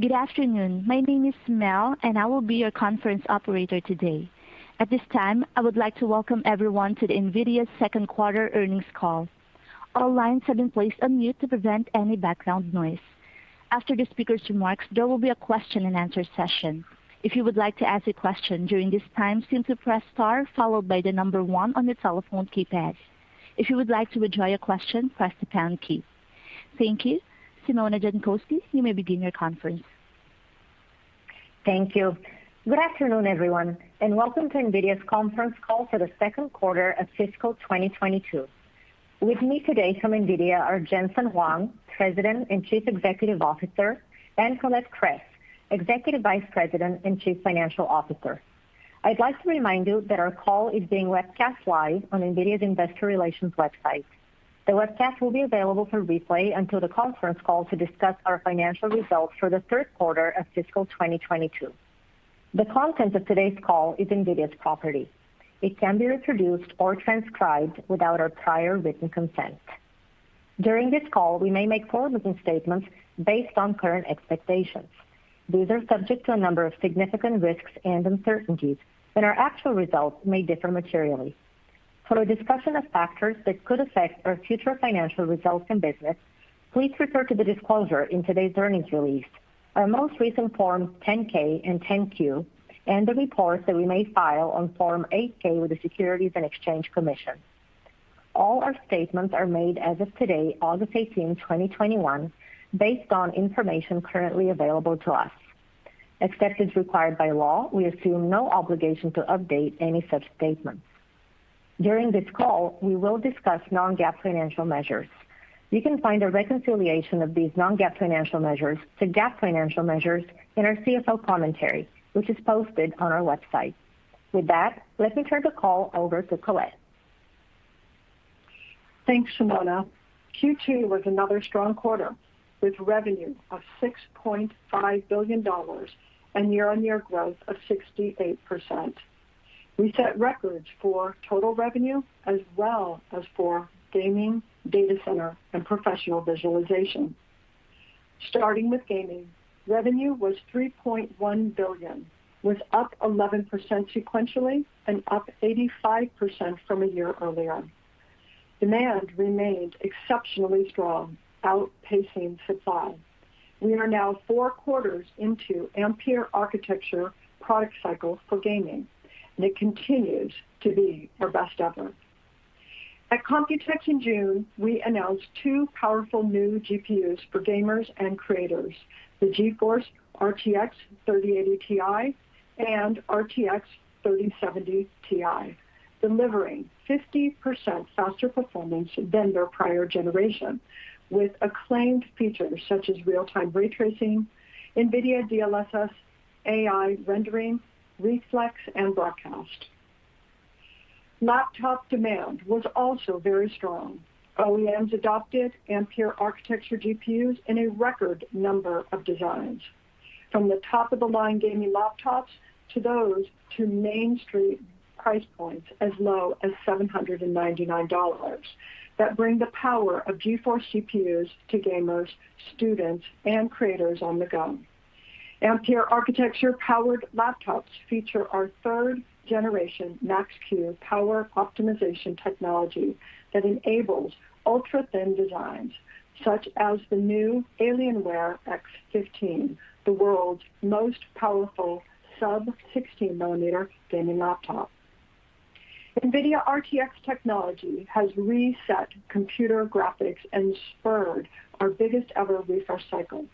Good afternoon. My name is Mel, and I will be your conference operator today. At this time, I would like to welcome everyone to the NVIDIA second quarter earnings call. All lines have been placed on mute to prevent any background noise. After the speaker's remarks, there will be a question and answer session. If you would like to ask a question during this time, simply press star followed by the number one on your telephone keypad. If you would like to withdraw your question, press the pound key. Thank you. Simona Jankowski, you may begin your conference. Thank you. Good afternoon, everyone, and welcome to NVIDIA's conference call for the second quarter of fiscal 2022. With me today from NVIDIA are Jensen Huang, President and Chief Executive Officer, and Colette Kress, Executive Vice President and Chief Financial Officer. I'd like to remind you that our call is being webcast live on NVIDIA's investor relations website. The webcast will be available for replay until the conference call to discuss our financial results for the third quarter of fiscal 2022. The content of today's call is NVIDIA's property. It can't be reproduced or transcribed without our prior written consent. During this call, we may make forward-looking statements based on current expectations. These are subject to a number of significant risks and uncertainties, and our actual results may differ materially. For a discussion of factors that could affect our future financial results and business, please refer to the disclosure in today's earnings release, our most recent forms 10-K and 10-Q, and the reports that we may file on Form 8-K with the Securities and Exchange Commission. All our statements are made as of today, August 18, 2021, based on information currently available to us. Except as required by law, we assume no obligation to update any such statements. During this call, we will discuss non-GAAP financial measures. You can find a reconciliation of these non-GAAP financial measures to GAAP financial measures in our CFO commentary, which is posted on our website. With that, let me turn the call over to Colette. Thanks, Simona. Q2 was another strong quarter, with revenue of $6.5 billion and year-over-year growth of 68%. We set records for total revenue as well as for gaming, data center, and professional visualization. Starting with gaming, revenue was $3.1 billion, was up 11% sequentially and up 85% from a year earlier. Demand remained exceptionally strong, outpacing supply. We are now four quarters into Ampere architecture product cycle for gaming, and it continues to be our best ever. At Computex in June, we announced two powerful new GPUs for gamers and creators, the GeForce RTX 3080 Ti and RTX 3070 Ti, delivering 50% faster performance than their prior generation, with acclaimed features such as real-time ray tracing, NVIDIA DLSS, AI rendering, Reflex, and Broadcast. Laptop demand was also very strong. OEMs adopted Ampere architecture GPUs in a record number of designs, from the top-of-the-line gaming laptops to those to mainstream price points as low as $799 that bring the power of GeForce GPUs to gamers, students, and creators on the go. Ampere architecture-powered laptops feature our third generation Max-Q power optimization technology that enables ultra-thin designs, such as the new Alienware x15, the world's most powerful sub 16-millimeter gaming laptop. NVIDIA RTX technology has reset computer graphics and spurred our biggest ever refresh cycle.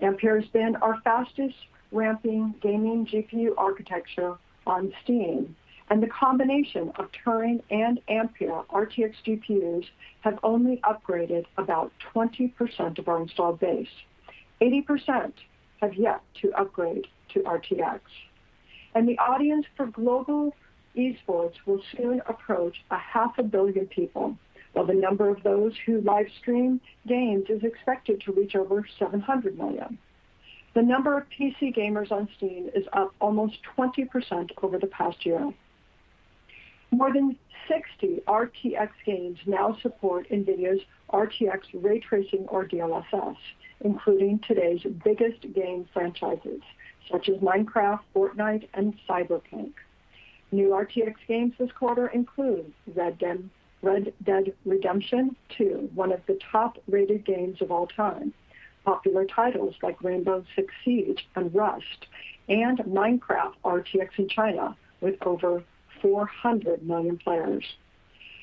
Ampere has been our fastest ramping gaming GPU architecture on Steam. The combination of Turing and Ampere RTX GPUs have only upgraded about 20% of our installed base. 80% have yet to upgrade to RTX. The audience for global esports will soon approach a half a billion people, while the number of those who live stream games is expected to reach over 700 million. The number of PC gamers on Steam is up almost 20% over the past year. More than 60 RTX games now support NVIDIA's RTX ray tracing or DLSS, including today's biggest game franchises such as Minecraft, Fortnite, and Cyberpunk. New RTX games this quarter include Red Dead Redemption 2, one of the top-rated games of all time, popular titles like Rainbow Six Siege and Rust, and Minecraft RTX in China with over 400 million players.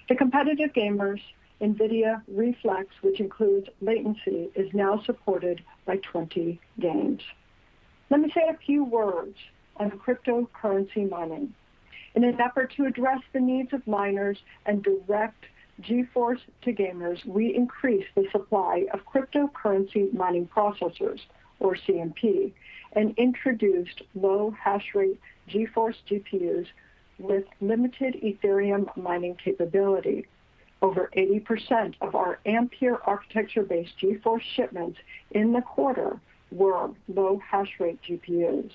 To competitive gamers, NVIDIA Reflex, which includes latency, is now supported by 20 games. Let me say a few words on cryptocurrency mining. In an effort to address the needs of miners and direct GeForce to gamers, we increased the supply of cryptocurrency mining processors, or CMP, and introduced low hash rate GeForce GPUs with limited Ethereum mining capability. Over 80% of our Ampere architecture-based GeForce shipments in the quarter were low hash rate GPUs.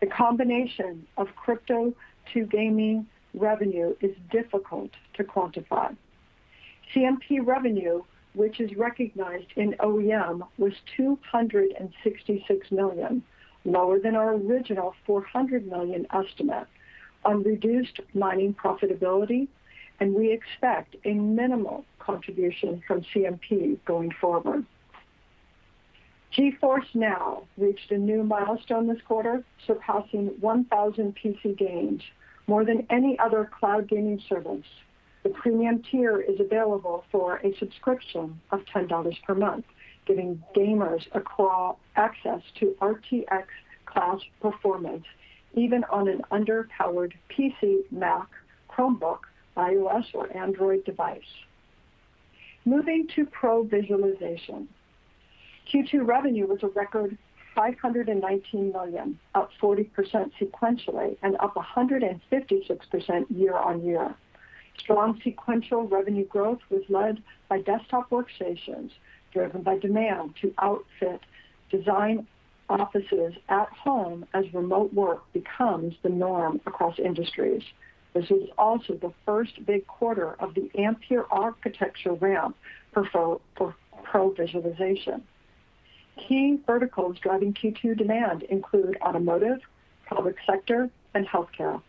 The combination of crypto to gaming revenue is difficult to quantify. CMP revenue, which is recognized in OEM, was $266 million, lower than our original $400 million estimate on reduced mining profitability, and we expect a minimal contribution from CMP going forward. GeForce NOW reached a new milestone this quarter, surpassing 1,000 PC games, more than any other cloud gaming service. The premium tier is available for a subscription of $10 per month, giving gamers across access to RTX class performance even on an underpowered PC, Mac, Chromebook, iOS or Android device. Moving to pro visualization. Q2 revenue was a record $519 million, up 40% sequentially and up 156% year-on-year. Strong sequential revenue growth was led by desktop workstations, driven by demand to outfit design offices at home as remote work becomes the norm across industries. This is also the first big quarter of the Ampere architecture ramp for pro visualization. Key verticals driving Q2 demand include automotive, public sector and healthcare.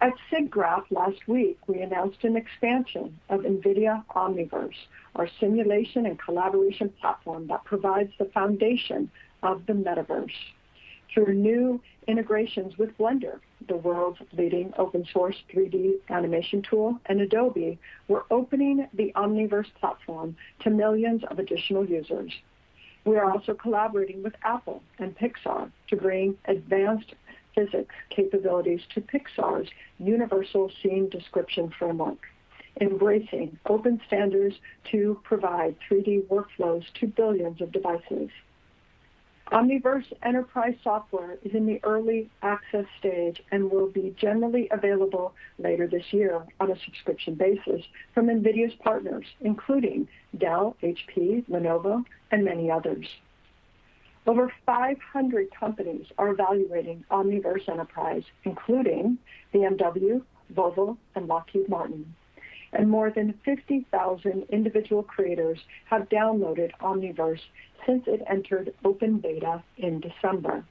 At SIGGRAPH last week, we announced an expansion of NVIDIA Omniverse, our simulation and collaboration platform that provides the foundation of the Metaverse. Through new integrations with Blender, the world's leading open source 3D animation tool, and Adobe, we're opening the Omniverse platform to millions of additional users. We are also collaborating with Apple and Pixar to bring advanced physics capabilities to Pixar's Universal Scene Description framework, embracing open standards to provide 3D workflows to billions of devices. Omniverse Enterprise software is in the early access stage and will be generally available later this year on a subscription basis from NVIDIA's partners, including Dell, HP, Lenovo and many others. Over 500 companies are evaluating Omniverse Enterprise, including BMW, Volvo and Lockheed Martin, and more than 50,000 individual creators have downloaded Omniverse since it entered open beta in December.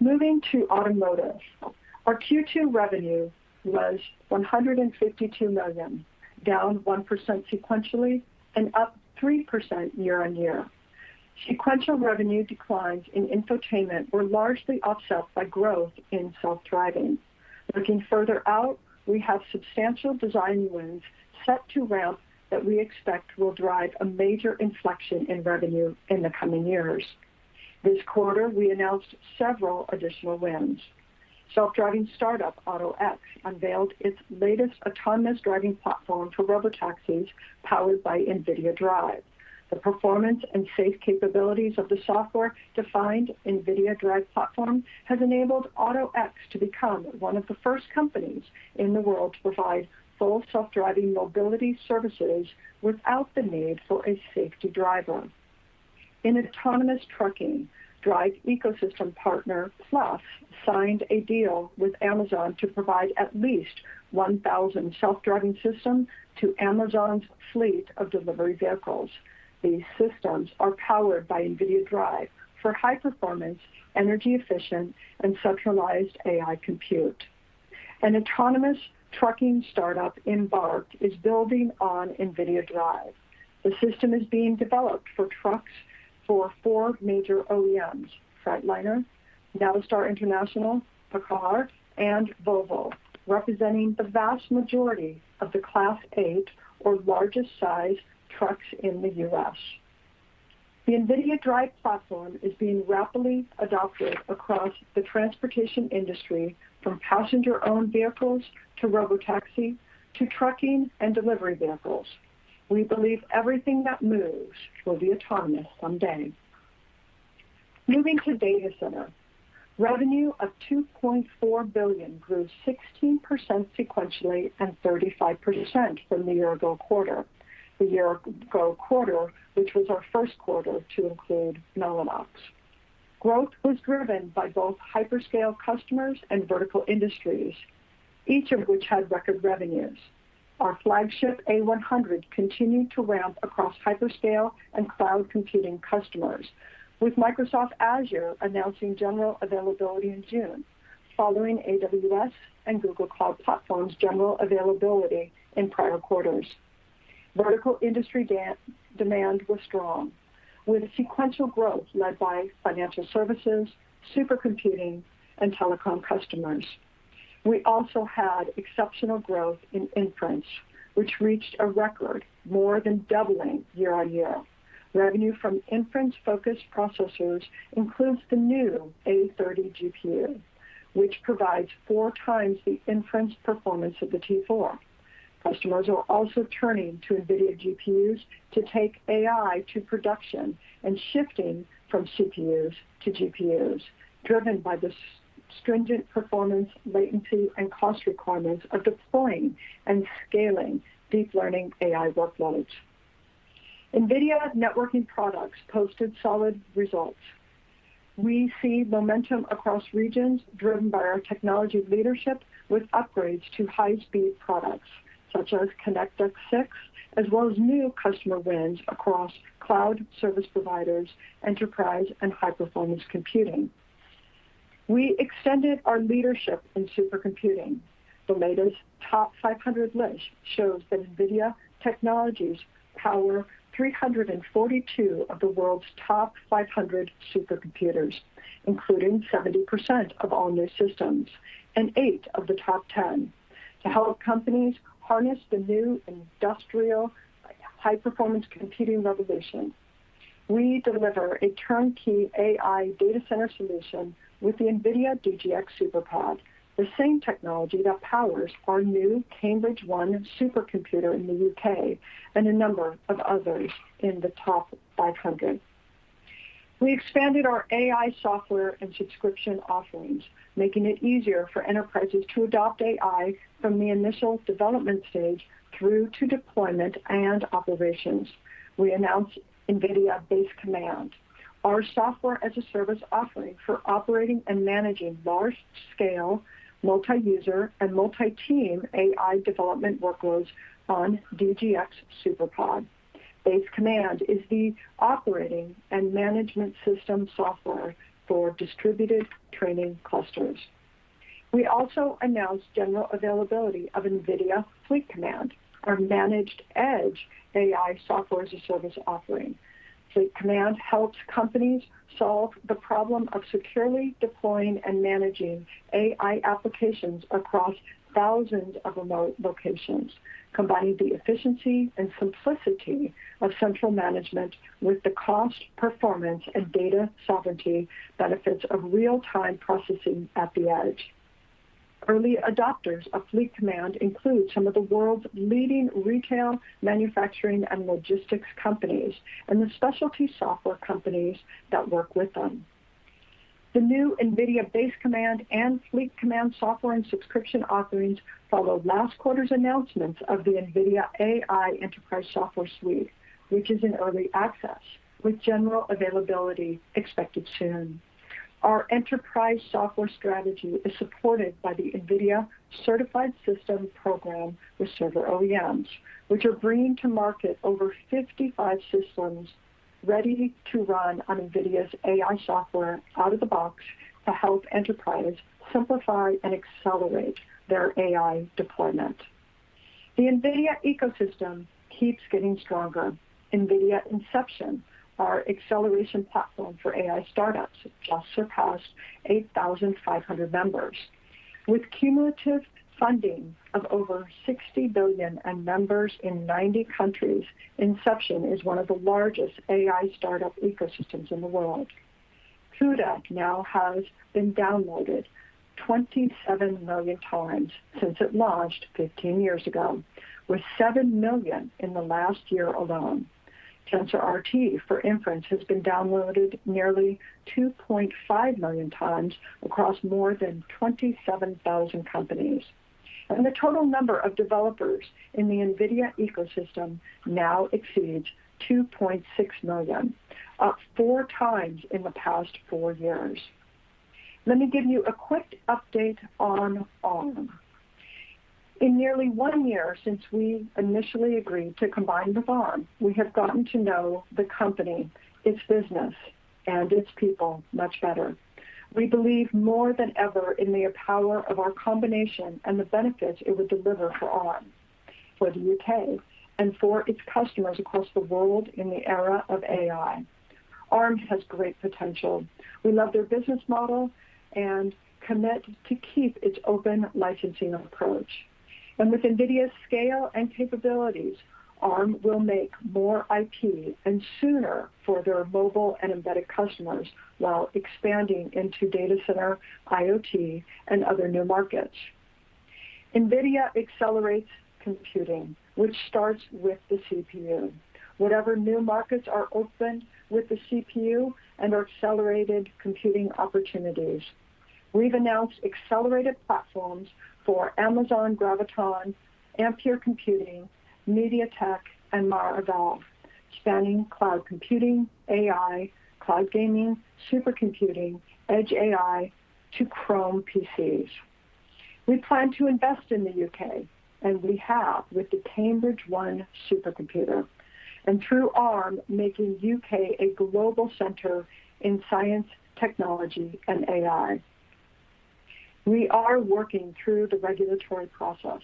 Moving to automotive. Our Q2 revenue was $152 million, down 1% sequentially and up 3% year-over-year. Sequential revenue declines in infotainment were largely offset by growth in self-driving. Looking further out, we have substantial design wins set to ramp that we expect will drive a major inflection in revenue in the coming years. This quarter, we announced several additional wins. Self-driving startup AutoX unveiled its latest autonomous driving platform for robotaxis powered by NVIDIA DRIVE. The performance and safe capabilities of the software-defined NVIDIA DRIVE platform has enabled AutoX to become one of the first companies in the world to provide full self-driving mobility services without the need for a safety driver. In autonomous trucking, DRIVE ecosystem partner, Plus, signed a deal with Amazon to provide at least 1,000 self-driving systems to Amazon's fleet of delivery vehicles. These systems are powered by NVIDIA DRIVE for high performance, energy efficient and centralized AI compute. An autonomous trucking startup, Embark, is building on NVIDIA DRIVE. The system is being developed for trucks for four major OEMs, Freightliner, Navistar International, Paccar and Volvo, representing the vast majority of the Class 8 or largest size trucks in the U.S. The NVIDIA DRIVE platform is being rapidly adopted across the transportation industry, from passenger-owned vehicles to robotaxi, to trucking and delivery vehicles. We believe everything that moves will be autonomous someday. Moving to data center. Revenue of $2.4 billion grew 16% sequentially and 35% from the year ago quarter. The year ago quarter, which was our first quarter to include Mellanox. Growth was driven by both hyperscale customers and vertical industries, each of which had record revenues. Our flagship A100 continued to ramp across hyperscale and cloud computing customers, with Microsoft Azure announcing general availability in June, following AWS and Google Cloud Platform's general availability in prior quarters. Vertical industry demand was strong, with sequential growth led by financial services, supercomputing and telecom customers. We also had exceptional growth in inference, which reached a record, more than doubling year-over-year. Revenue from inference-focused processors includes the new A30 GPU, which provides four times the inference performance of the T4. Customers are also turning to NVIDIA GPUs to take AI to production and shifting from CPUs to GPUs, driven by the stringent performance, latency and cost requirements of deploying and scaling deep learning AI workloads. NVIDIA networking products posted solid results. We see momentum across regions driven by our technology leadership with upgrades to high-speed products such as ConnectX-6, as well as new customer wins across cloud service providers, enterprise, and high-performance computing. We extended our leadership in supercomputing. The latest Top500 list shows that NVIDIA technologies power 342 of the world's top 500 supercomputers, including 70% of all new systems and eight of the top 10. To help companies harness the new industrial high-performance computing revolution, we deliver a turnkey AI data center solution with the NVIDIA DGX SuperPOD, the same technology that powers our new Cambridge-1 supercomputer in the U.K. and a number of others in the Top500. We expanded our AI software and subscription offerings, making it easier for enterprises to adopt AI from the initial development stage through to deployment and operations. We announced NVIDIA Base Command, our software-as-a-service offering for operating and managing large-scale multi-user and multi-team AI development workloads on DGX SuperPOD. Base Command is the operating and management system software for distributed training clusters. We also announced general availability of NVIDIA Fleet Command, our managed edge AI software-as-a-service offering. Fleet Command helps companies solve the problem of securely deploying and managing AI applications across thousands of remote locations, combining the efficiency and simplicity of central management with the cost, performance, and data sovereignty benefits of real-time processing at the edge. Early adopters of Fleet Command include some of the world's leading retail, manufacturing, and logistics companies, and the specialty software companies that work with them. The new NVIDIA Base Command and Fleet Command software and subscription offerings follow last quarter's announcements of the NVIDIA AI Enterprise software suite, which is in early access with general availability expected soon. Our enterprise software strategy is supported by the NVIDIA Certified System program with server OEMs, which are bringing to market over 55 systems ready to run on NVIDIA's AI software out of the box to help enterprises simplify and accelerate their AI deployment. The NVIDIA ecosystem keeps getting stronger. NVIDIA Inception, our acceleration platform for AI startups, just surpassed 8,500 members. With cumulative funding of over $60 billion and members in 90 countries, Inception is one of the largest AI startup ecosystems in the world. CUDA now has been downloaded 27 million times since it launched 15 years ago, with 7 million in the last year alone. TensorRT, for inference, has been downloaded nearly 2.5 million times across more than 27,000 companies. The total number of developers in the NVIDIA ecosystem now exceeds 2.6 million, up four times in the past four years. Let me give you a quick update on Arm. In nearly one year since we initially agreed to combine with Arm, we have gotten to know the company, its business, and its people much better. We believe more than ever in the power of our combination and the benefits it would deliver for Arm, for the U.K., and for its customers across the world in the era of AI. Arm has great potential. We love their business model and commit to keep its open licensing approach. With NVIDIA's scale and capabilities, Arm will make more IP and sooner for their mobile and embedded customers while expanding into data center, IoT, and other new markets. NVIDIA accelerates computing, which starts with the CPU. Whatever new markets are opened with the CPU and our accelerated computing opportunities. We've announced accelerated platforms for Amazon Graviton, Ampere Computing, MediaTek, and Marvell, spanning cloud computing, AI, cloud gaming, supercomputing, edge AI, to Chrome PCs. We plan to invest in the U.K., and we have with the Cambridge-1 supercomputer, and through Arm, making U.K. a global center in science, technology, and AI. We are working through the regulatory process.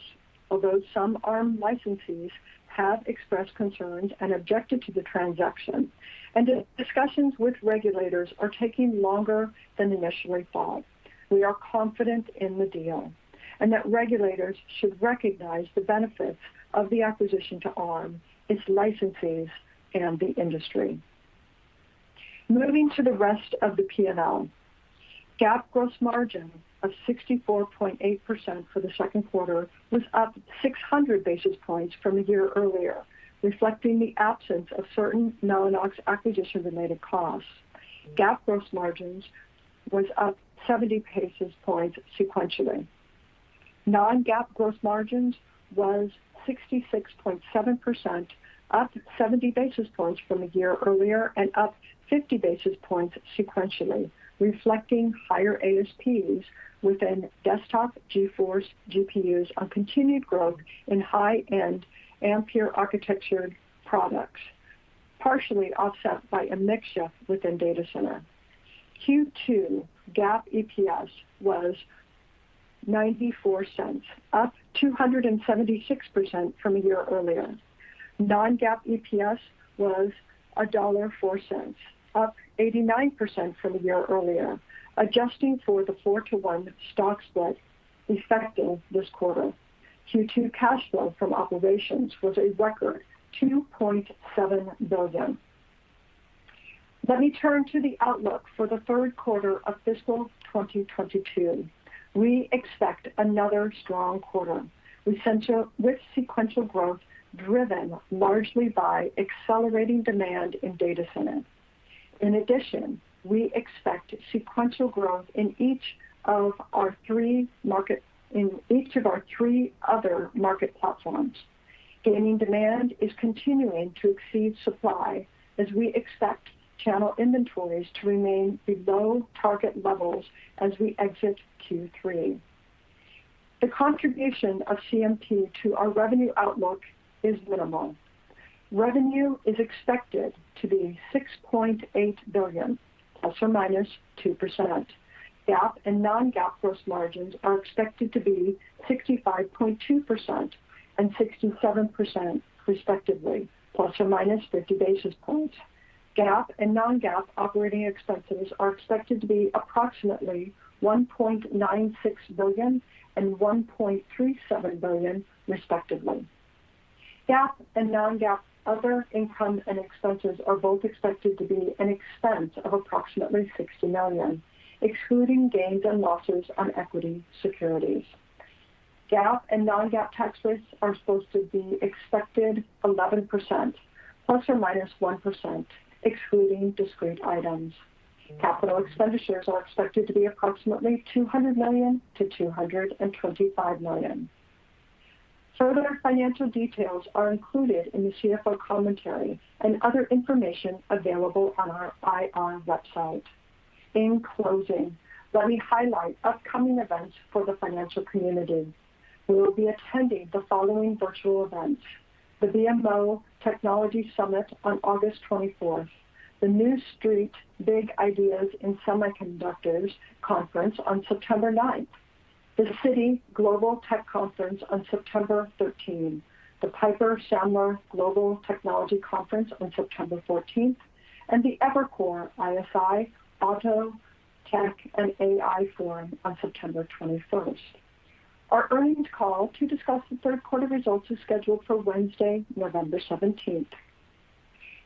Although some Arm licensees have expressed concerns and objected to the transaction, and discussions with regulators are taking longer than initially thought, we are confident in the deal, and that regulators should recognize the benefits of the acquisition to Arm, its licensees, and the industry. Moving to the rest of the P&L. GAAP gross margin of 64.8% for the second quarter was up 600 basis points from a year earlier, reflecting the absence of certain Mellanox acquisition-related costs. GAAP gross margins was up 70 basis points sequentially. Non-GAAP gross margins was 66.7%, up 70 basis points from a year earlier and up 50 basis points sequentially, reflecting higher ASPs within desktop GeForce GPUs on continued growth in high-end Ampere architectured products, partially offset by a mix shift within data center. Q2 GAAP EPS was $0.94, up 276% from a year earlier. Non-GAAP EPS was $1.04, up 89% from a year earlier, adjusting for the 4-to-1 stock split effective this quarter. Q2 cash flow from operations was a record $2.7 billion. Let me turn to the outlook for the third quarter of fiscal 2022. We expect another strong quarter with sequential growth driven largely by accelerating demand in data centers. In addition, we expect sequential growth in each of our three other market platforms. Gaming demand is continuing to exceed supply as we expect channel inventories to remain below target levels as we exit Q3. The contribution of CMP to our revenue outlook is minimal. Revenue is expected to be $6.8 billion ±2%. GAAP and non-GAAP gross margins are expected to be 65.2% and 67%, respectively, ±50 basis points. GAAP and non-GAAP operating expenses are expected to be approximately $1.96 billion and $1.37 billion, respectively. GAAP and non-GAAP other income and expenses are both expected to be an expense of approximately $60 million, excluding gains and losses on equity securities. GAAP and non-GAAP tax rates are supposed to be expected 11% ±1%, excluding discrete items. Capital expenditures are expected to be approximately $200 million-$225 million. Further financial details are included in the CFO commentary and other information available on our IR website. In closing, let me highlight upcoming events for the financial community. We will be attending the following virtual events: The BMO Technology Summit on August 24th, the New Street Big Ideas in Semiconductors Conference on September 9th, the Citi Global Technology Conference on September 13th, the Piper Sandler Global Technology Conference on September 14th, and the Evercore ISI Auto, Tech and AI Forum on September 21st. Our earnings call to discuss the 3rd quarter results is scheduled for Wednesday, November 17th.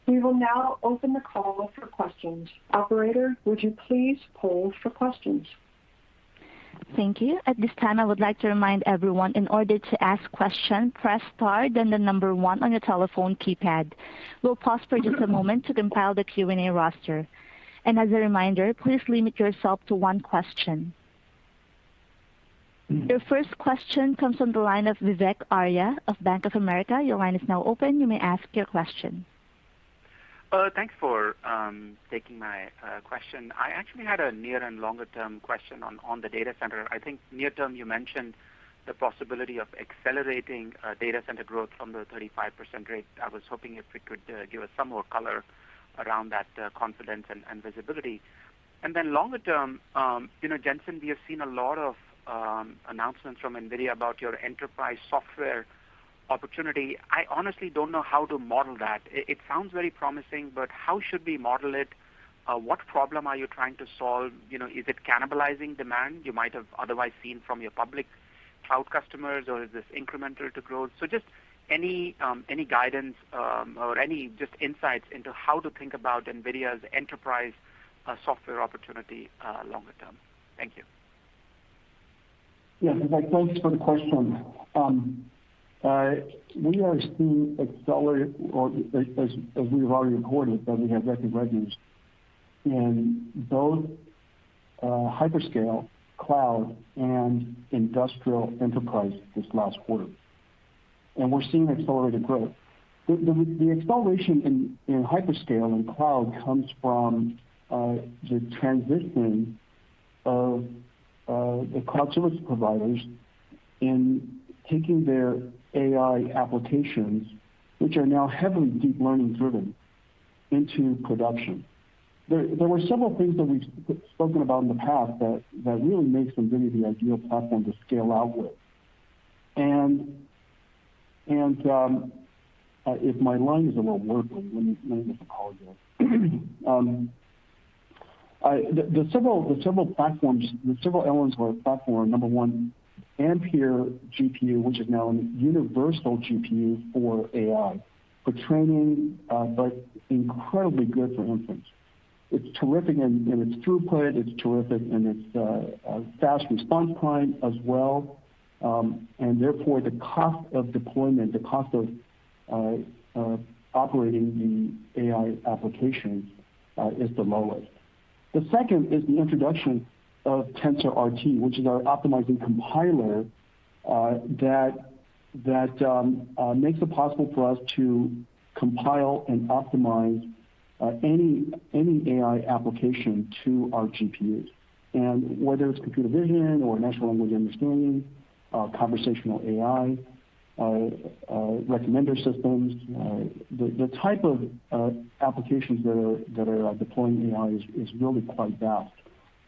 We will now open the call for questions. Operator, would you please poll for questions? Thank you. Your first question comes from the line of Vivek Arya of Bank of America. Thanks for taking my question. I actually had a near and longer term question on the data center. I think near term, you mentioned the possibility of accelerating data center growth from the 35% rate. I was hoping if you could give us some more color around that confidence and visibility. Then longer term, Jensen, we have seen a lot of announcements from NVIDIA about your enterprise software opportunity. I honestly don't know how to model that. It sounds very promising, but how should we model it? What problem are you trying to solve? Is it cannibalizing demand you might have otherwise seen from your public cloud customers, or is this incremental to growth? Just any guidance or any just insights into how to think about NVIDIA's enterprise software opportunity longer term. Thank you. Yes, Vivek, thanks for the question. We are seeing accelerated, or as we have already reported, that we have record revenues in both hyperscale cloud and industrial enterprise this last quarter. We're seeing accelerated growth. The acceleration in hyperscale and cloud comes from the transitioning of the cloud service providers in taking their AI applications, which are now heavily deep learning driven, into production. There were several things that we've spoken about in the past that really makes NVIDIA the ideal platform to scale out with. If my line is a little warbly, let me apologize. There are several elements of our platform. Number one, Ampere GPU, which is now a universal GPU for AI, for training, but incredibly good for inference. It's terrific in its throughput. It's terrific in its fast response time as well. Therefore, the cost of deployment, the cost of operating the AI application, is the lowest. The second is the introduction of TensorRT, which is our optimizing compiler that makes it possible for us to compile and optimize any AI application to our GPUs. Whether it's computer vision or natural language understanding, conversational AI, recommender systems, the type of applications that are deploying AI is really quite vast.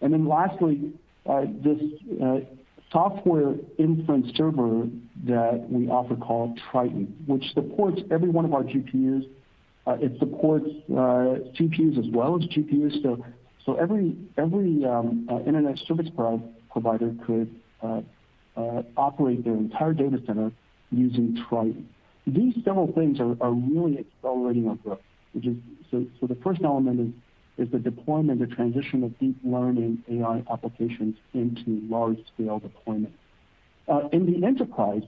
Lastly, this software inference server that we offer called Triton, which supports every one of our GPUs. It supports CPUs as well as GPUs. Every internet service provider could operate their entire data center using Triton. These several things are really accelerating our growth. The first element is the deployment, the transition of deep learning AI applications into large-scale deployment. In the enterprise,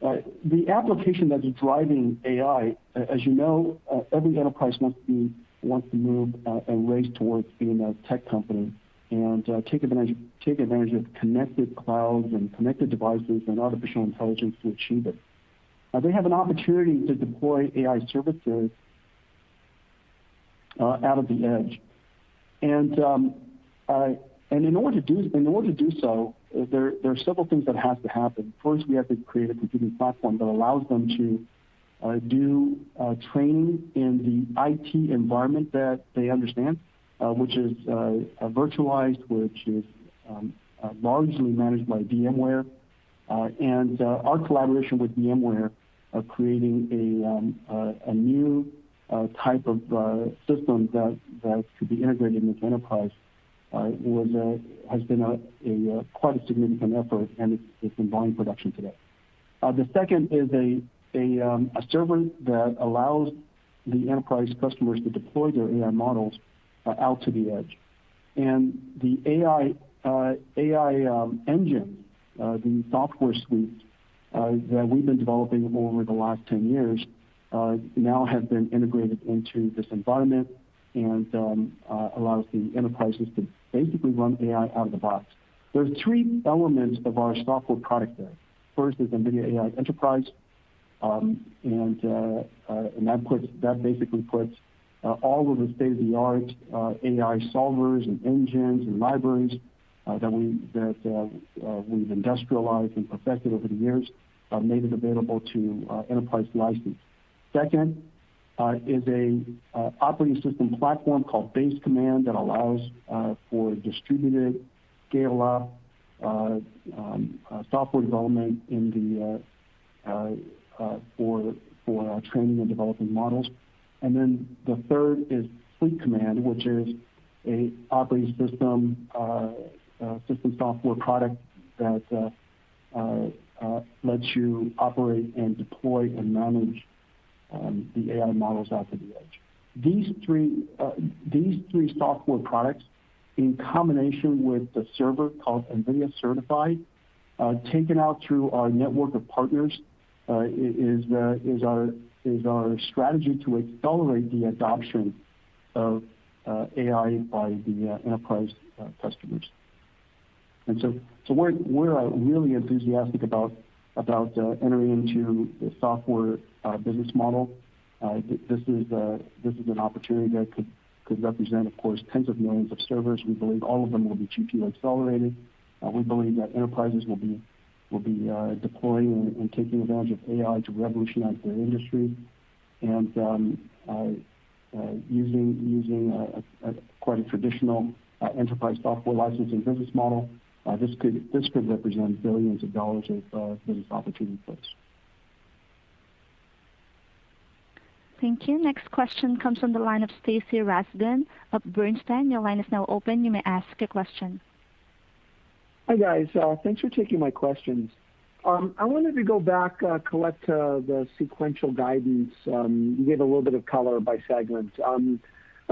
the application that is driving AI, as you know, every enterprise wants to move and race towards being a tech company and take advantage of connected clouds and connected devices and artificial intelligence to achieve it. They have an opportunity to deploy AI services out of the edge. In order to do so, there are several things that have to happen. First, we have to create a computing platform that allows them to do training in the IT environment that they understand which is virtualized, which is largely managed by VMware. Our collaboration with VMware of creating a new type of system that could be integrated into enterprise has been quite a significant effort, and it's in volume production today. The second is a server that allows the enterprise customers to deploy their AI models out to the edge. The AI engine, the software suite that we've been developing over the last 10 years now has been integrated into this environment and allows the enterprises to basically run AI out of the box. There are three elements of our software product there. First is NVIDIA AI Enterprise, and that basically puts all of the state-of-the-art AI solvers and engines and libraries that we've industrialized and perfected over the years, made it available to enterprise license. Second is an operating system platform called Base Command that allows for distributed scale-up software development for training and developing models. The third is Fleet Command, which is an operating system software product that lets you operate and deploy and manage the AI models out to the edge. These three software products, in combination with the server called NVIDIA Certified taken out through our network of partners is our strategy to accelerate the adoption of AI by the enterprise customers. We're really enthusiastic about entering into the software business model. This is an opportunity that could represent, of course, tens of millions of servers. We believe all of them will be GPU accelerated. We believe that enterprises will be deploying and taking advantage of AI to revolutionize their industry and using quite a traditional enterprise software licensing business model. This could represent billions of dollars of business opportunity for us. Thank you. Next question comes from the line of Stacy Rasgon of Bernstein. Hi, guys. Thanks for taking my questions. I wanted to go back, Colette, the sequential guidance. You gave a little bit of color by segment.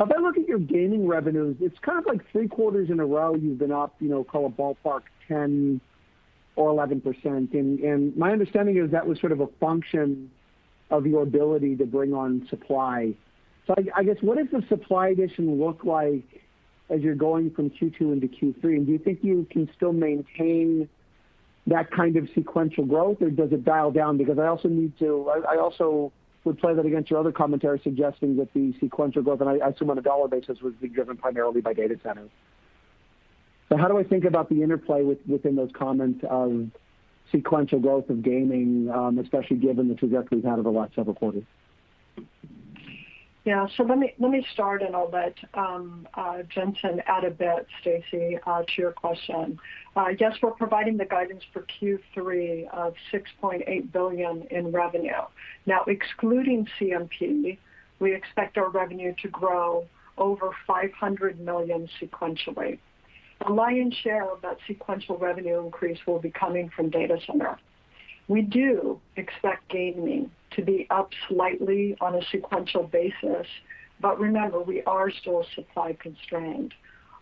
If I look at your gaming revenues, it's like three quarters in a row you've been up, call it ballpark 10% or 11%. My understanding is that was sort of a function of your ability to bring on supply. I guess, what does the supply addition look like as you're going from Q2 into Q3? Do you think you can still maintain that kind of sequential growth, or does it dial down? I also would play that against your other commentary suggesting that the sequential growth, and I assume on a dollar basis, would be driven primarily by data centers. How do I think about the interplay within those comments of sequential growth of gaming especially given the trajectory we've had over the last several quarters? Let me start, and I'll let Jensen add a bit, Stacy, to your question. Yes, we're providing the guidance for Q3 of $6.8 billion in revenue. Excluding CMP, we expect our revenue to grow over $500 million sequentially. The lion's share of that sequential revenue increase will be coming from data center. We do expect gaming to be up slightly on a sequential basis. Remember, we are still supply constrained.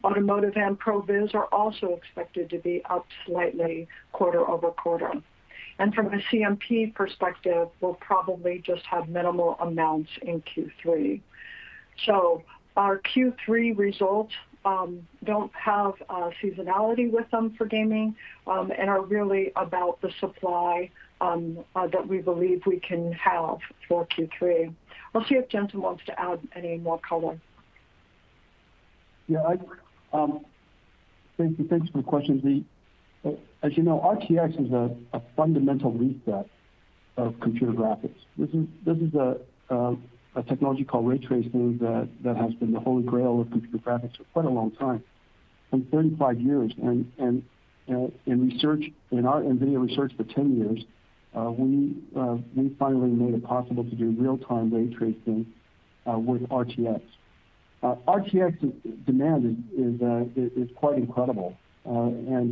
Automotive and pro viz are also expected to be up slightly quarter-over-quarter. From a CMP perspective, we'll probably just have minimal amounts in Q3. Our Q3 results don't have seasonality with them for gaming and are really about the supply that we believe we can have for Q3. I'll see if Jensen wants to add any more color. Yeah. Thank you for the question. As you know, RTX is a fundamental reset of computer graphics. This is a technology called ray tracing that has been the holy grail of computer graphics for quite a long time, some 35 years. In NVIDIA research for 10 years, we finally made it possible to do real-time ray tracing with RTX. RTX demand is quite incredible. As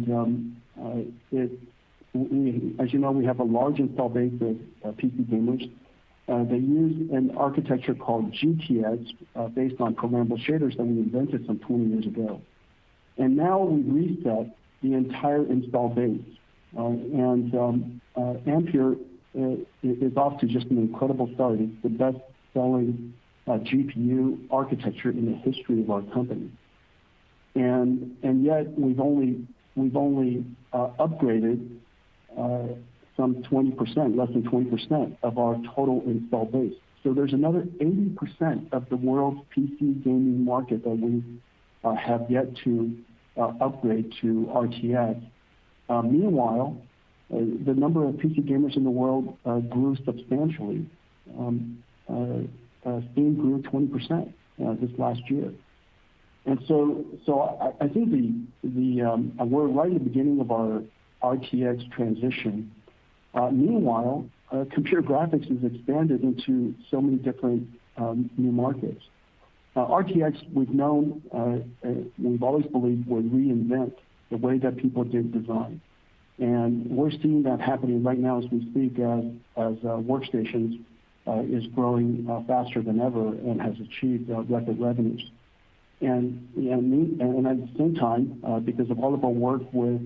you know, we have a large install base of PC gamers. They use an architecture called GTX, based on programmable shaders that we invented some 20 years ago. Now we've reset the entire install base. Ampere is off to just an incredible start. It's the best-selling GPU architecture in the history of our company. Yet, we've only upgraded some 20%, less than 20% of our total install base. There's another 80% of the world's PC gaming market that we have yet to upgrade to RTX. Meanwhile, the number of PC gamers in the world grew substantially, grew 20% just last year. I think we're right at the beginning of our RTX transition. Meanwhile, computer graphics has expanded into so many different new markets. RTX, we've always believed, would reinvent the way that people do design. We're seeing that happening right now as we speak, as workstations is growing faster than ever and has achieved record revenues. At the same time, because of all of our work with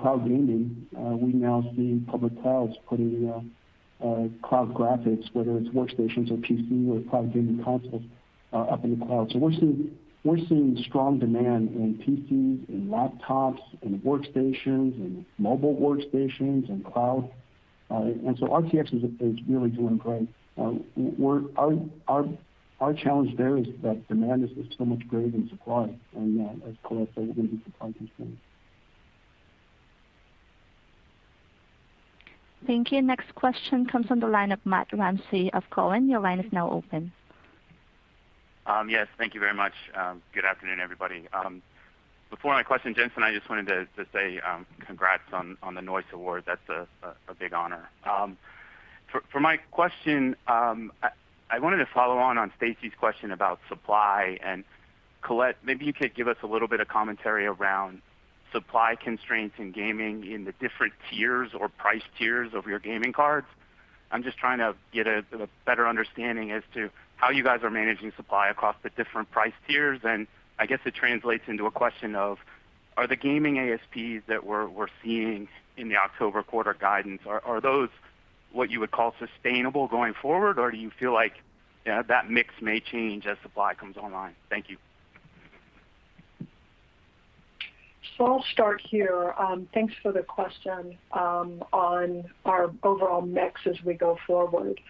cloud gaming, we now see public clouds putting cloud graphics, whether it's workstations or PC or cloud gaming consoles, up in the cloud. We're seeing strong demand in PCs, in laptops, in workstations, in mobile workstations, in cloud. RTX is really doing great. Our challenge there is that demand is still much greater than supply, and as Colette said, we're going to be supply constrained. Thank you. Next question comes from the line of Matt Ramsay of Cowen. Yes, thank you very much. Good afternoon, everybody. Before my question, Jensen, I just wanted to say congrats on the Noyce Award. That's a big honor. For my question, I wanted to follow on on Stacy's question about supply. Colette, maybe you could give us a little bit of commentary around supply constraints in gaming in the different tiers or price tiers of your gaming cards. I'm just trying to get a better understanding as to how you guys are managing supply across the different price tiers. I guess it translates into a question of, are the gaming ASPs that we're seeing in the October quarter guidance, are those what you would call sustainable going forward, or do you feel like that mix may change as supply comes online? Thank you. I'll start here. Thanks for the question on our overall mix as we go forward.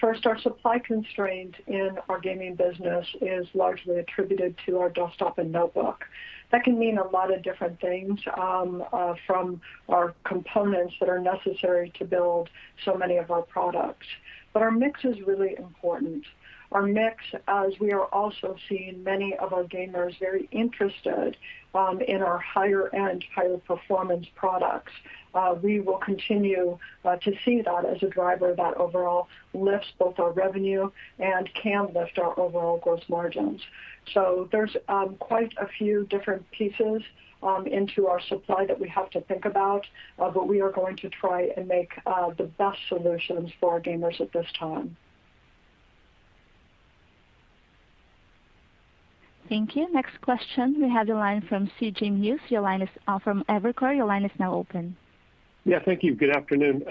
First, our supply constraint in our gaming business is largely attributed to our desktop and notebook. That can mean a lot of different things, from our components that are necessary to build so many of our products. Our mix is really important. Our mix, as we are also seeing many of our gamers very interested in our higher-end, higher-performance products. We will continue to see that as a driver that overall lifts both our revenue and can lift our overall gross margins. There's quite a few different pieces into our supply that we have to think about, but we are going to try and make the best solutions for our gamers at this time. Thank you. Next question, we have the line from CJ Muse from Evercore. Yeah, thank you, good afternoon.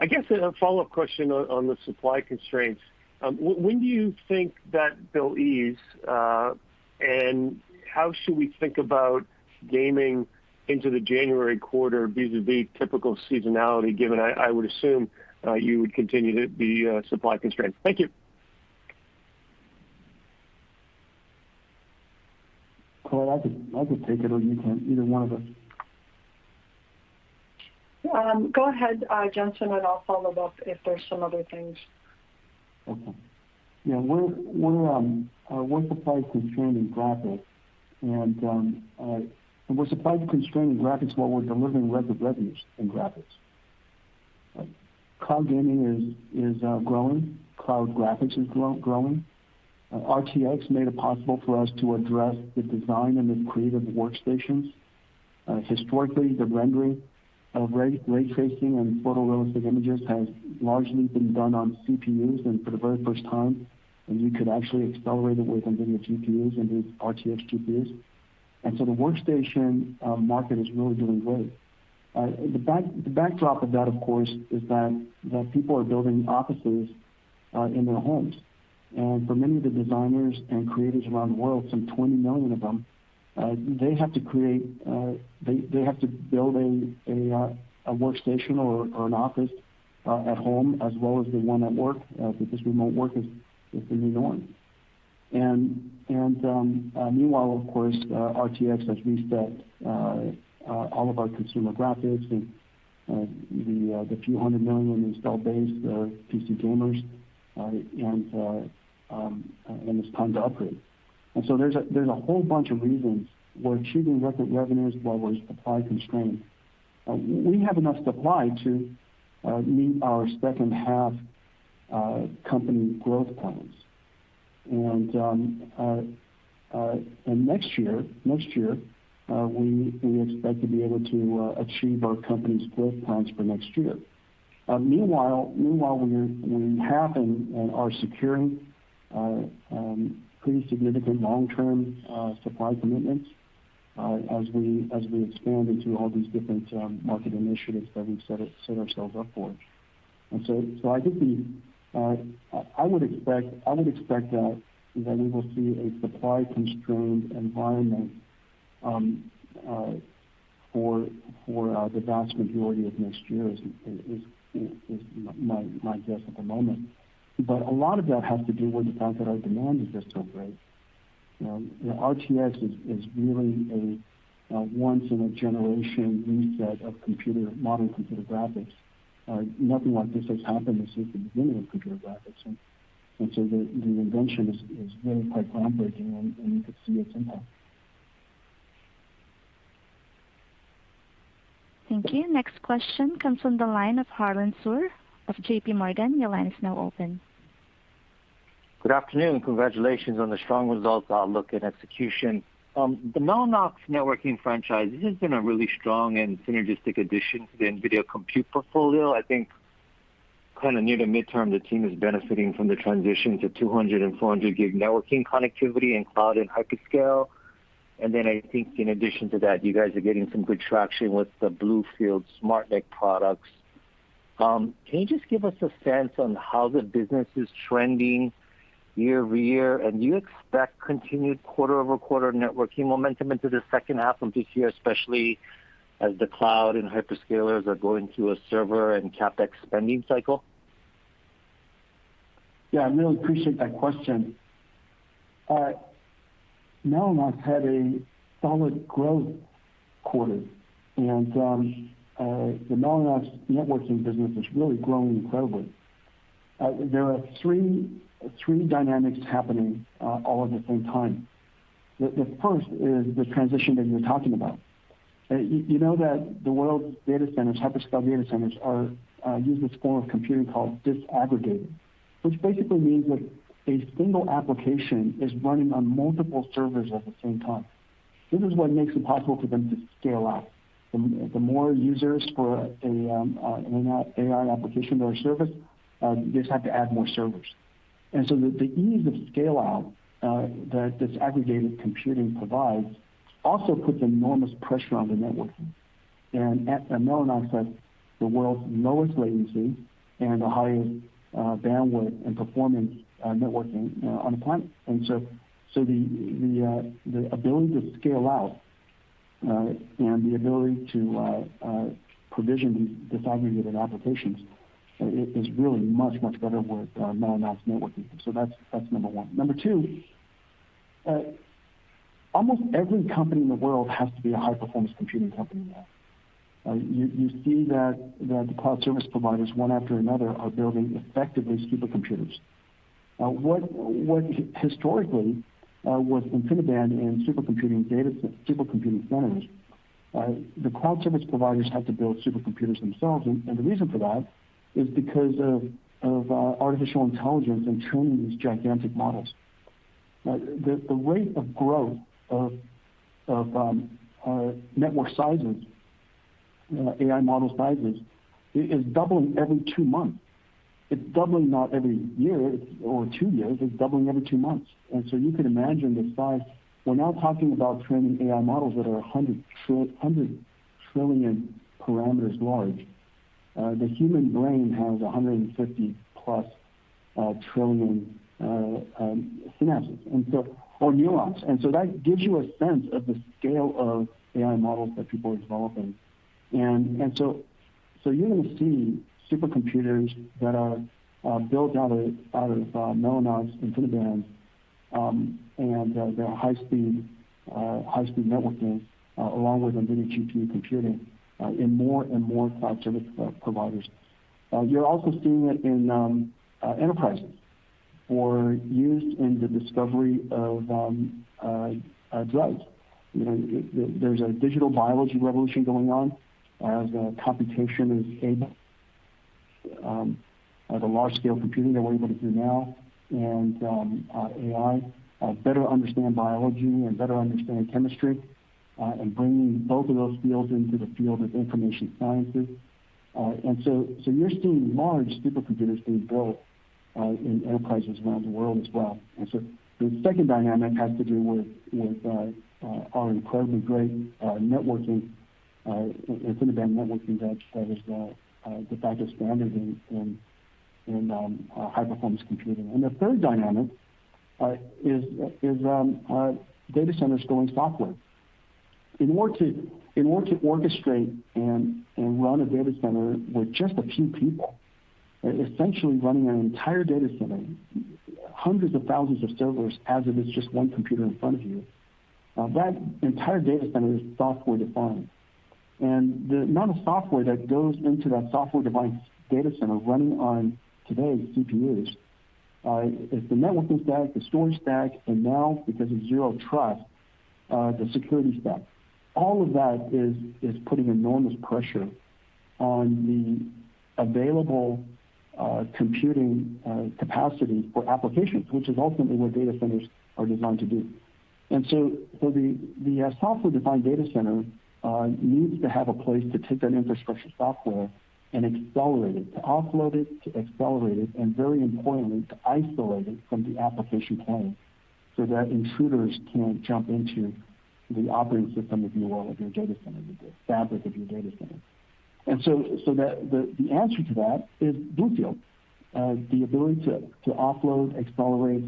I guess a follow-up question on the supply constraints. When do you think that they'll ease? How should we think about gaming into the January quarter vis-a-vis typical seasonality, given I would assume you would continue to be supply constrained? Thank you. Colette, I could take it, or you can. Either one of us. Go ahead, Jensen, and I'll follow up if there's some other things. Okay. Yeah, we're supply constrained in graphics, and we're supply constrained in graphics while we're delivering record revenues in graphics. Cloud gaming is growing. Cloud graphics is growing. RTX made it possible for us to address the design and the creative workstations. Historically, the rendering of ray tracing and photorealistic images has largely been done on CPUs, and for the very first time, you could actually accelerate it with NVIDIA GPUs and these RTX GPUs. The workstation market is really doing great. The backdrop of that, of course, is that people are building offices in their homes. For many of the designers and creators around the world, some 20 million of them, they have to build a workstation or an office at home as well as the one at work, because remote work is the new norm. Meanwhile, of course, RTX has reset all of our consumer graphics and the few hundred million install base PC gamers, and it's time to upgrade. There's a whole bunch of reasons we're achieving record revenues while we're supply constrained. We have enough supply to meet our second half company growth plans. Next year, we expect to be able to achieve our company's growth plans for next year. Meanwhile, we have and are securing pretty significant long-term supply commitments as we expand into all these different market initiatives that we've set ourselves up for. I would expect that we will see a supply-constrained environment for the vast majority of next year, is my guess at the moment. A lot of that has to do with the fact that our demand is just so great. The RTX is really a once-in-a-generation reset of modern computer graphics. Nothing like this has happened since the beginning of computer graphics. The invention is really quite groundbreaking, and you could see its impact. Thank you. Next question comes from the line of Harlan Sur of JPMorgan. Your line is now open. Good afternoon. Congratulations on the strong results outlook and execution. The Mellanox networking franchise, this has been a really strong and synergistic addition to the NVIDIA compute portfolio. I think near the midterm, the team is benefiting from the transition to 200 and 400G networking connectivity in cloud and hyperscale. Then I think in addition to that, you guys are getting some good traction with the BlueField SmartNIC products. Can you just give us a sense on how the business is trending year-over-year? Do you expect continued quarter-over-quarter networking momentum into the second half of this year, especially as the cloud and hyperscalers are going through a server and CapEx spending cycle? Yeah, I really appreciate that question. Mellanox had a solid growth quarter, and the Mellanox networking business is really growing incredibly. There are three dynamics happening all at the same time. The first is the transition that you're talking about. You know that the world's data centers, hyperscale data centers, use this form of computing called disaggregated, which basically means that a single application is running on multiple servers at the same time. This is what makes it possible for them to scale out. The more users for an AI application or a service, they just have to add more servers. The ease of scale-out that disaggregated computing provides also puts enormous pressure on the networking. Mellanox has the world's lowest latency and the highest bandwidth and performance networking on the planet. The ability to scale out and the ability to provision these disaggregated applications is really much, much better with Mellanox networking, so that's number one. Number two, almost every company in the world has to be a high-performance computing company now. You see that the cloud service providers, one after another, are building effectively supercomputers. What historically was InfiniBand and supercomputing centers, the cloud service providers have to build supercomputers themselves. The reason for that is because of artificial intelligence and training these gigantic models. The rate of growth of network sizes, AI model sizes, is doubling every two months. It's doubling not every year or two years. It's doubling every two months. You can imagine the size. We're now talking about training AI models that are 100 trillion parameters large. The human brain has 150-plus trillion synapses or neurons. That gives you a sense of the scale of AI models that people are developing. You're going to see supercomputers that are built out of Mellanox InfiniBand and their high-speed networking along with NVIDIA GPU computing in more and more cloud service providers. You're also seeing it in enterprises or used in the discovery of drugs. There's a digital biology revolution going on as out of the large-scale computing that we're able to do now and AI, better understand biology and better understand chemistry, and bringing both of those fields into the field of information sciences. You're seeing large supercomputers being built in enterprises around the world as well. The second dynamic has to do with our incredibly great networking, InfiniBand networking, that is the de facto standard in high-performance computing. The third dynamic is data centers going software. In order to orchestrate and run a data center with just a few people, essentially running an entire data center, hundreds of thousands of servers as if it's just 1 computer in front of you. That entire data center is software defined. The amount of software that goes into that software defined data center running on today's CPUs, it's the networking stack, the storage stack, and now, because of zero trust, the security stack. All of that is putting enormous pressure on the available computing capacity for applications, which is ultimately what data centers are designed to do. The software-defined data center needs to have a place to take that infrastructure software and accelerate it, to offload it, to accelerate it, and very importantly, to isolate it from the application plane so that intruders can't jump into the operating system, if you will, of your data center, the fabric of your data center. The answer to that is BlueField. The ability to offload, accelerate,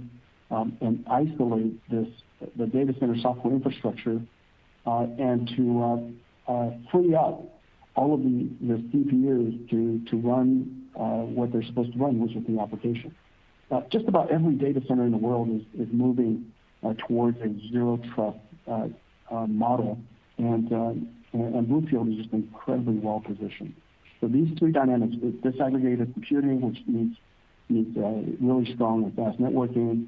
and isolate the data center software infrastructure, and to free up all of the CPUs to run what they're supposed to run, which is the application. Just about every data center in the world is moving towards a zero trust model, and BlueField is just incredibly well-positioned. These three dynamics, disaggregated computing, which needs really strong and fast networking,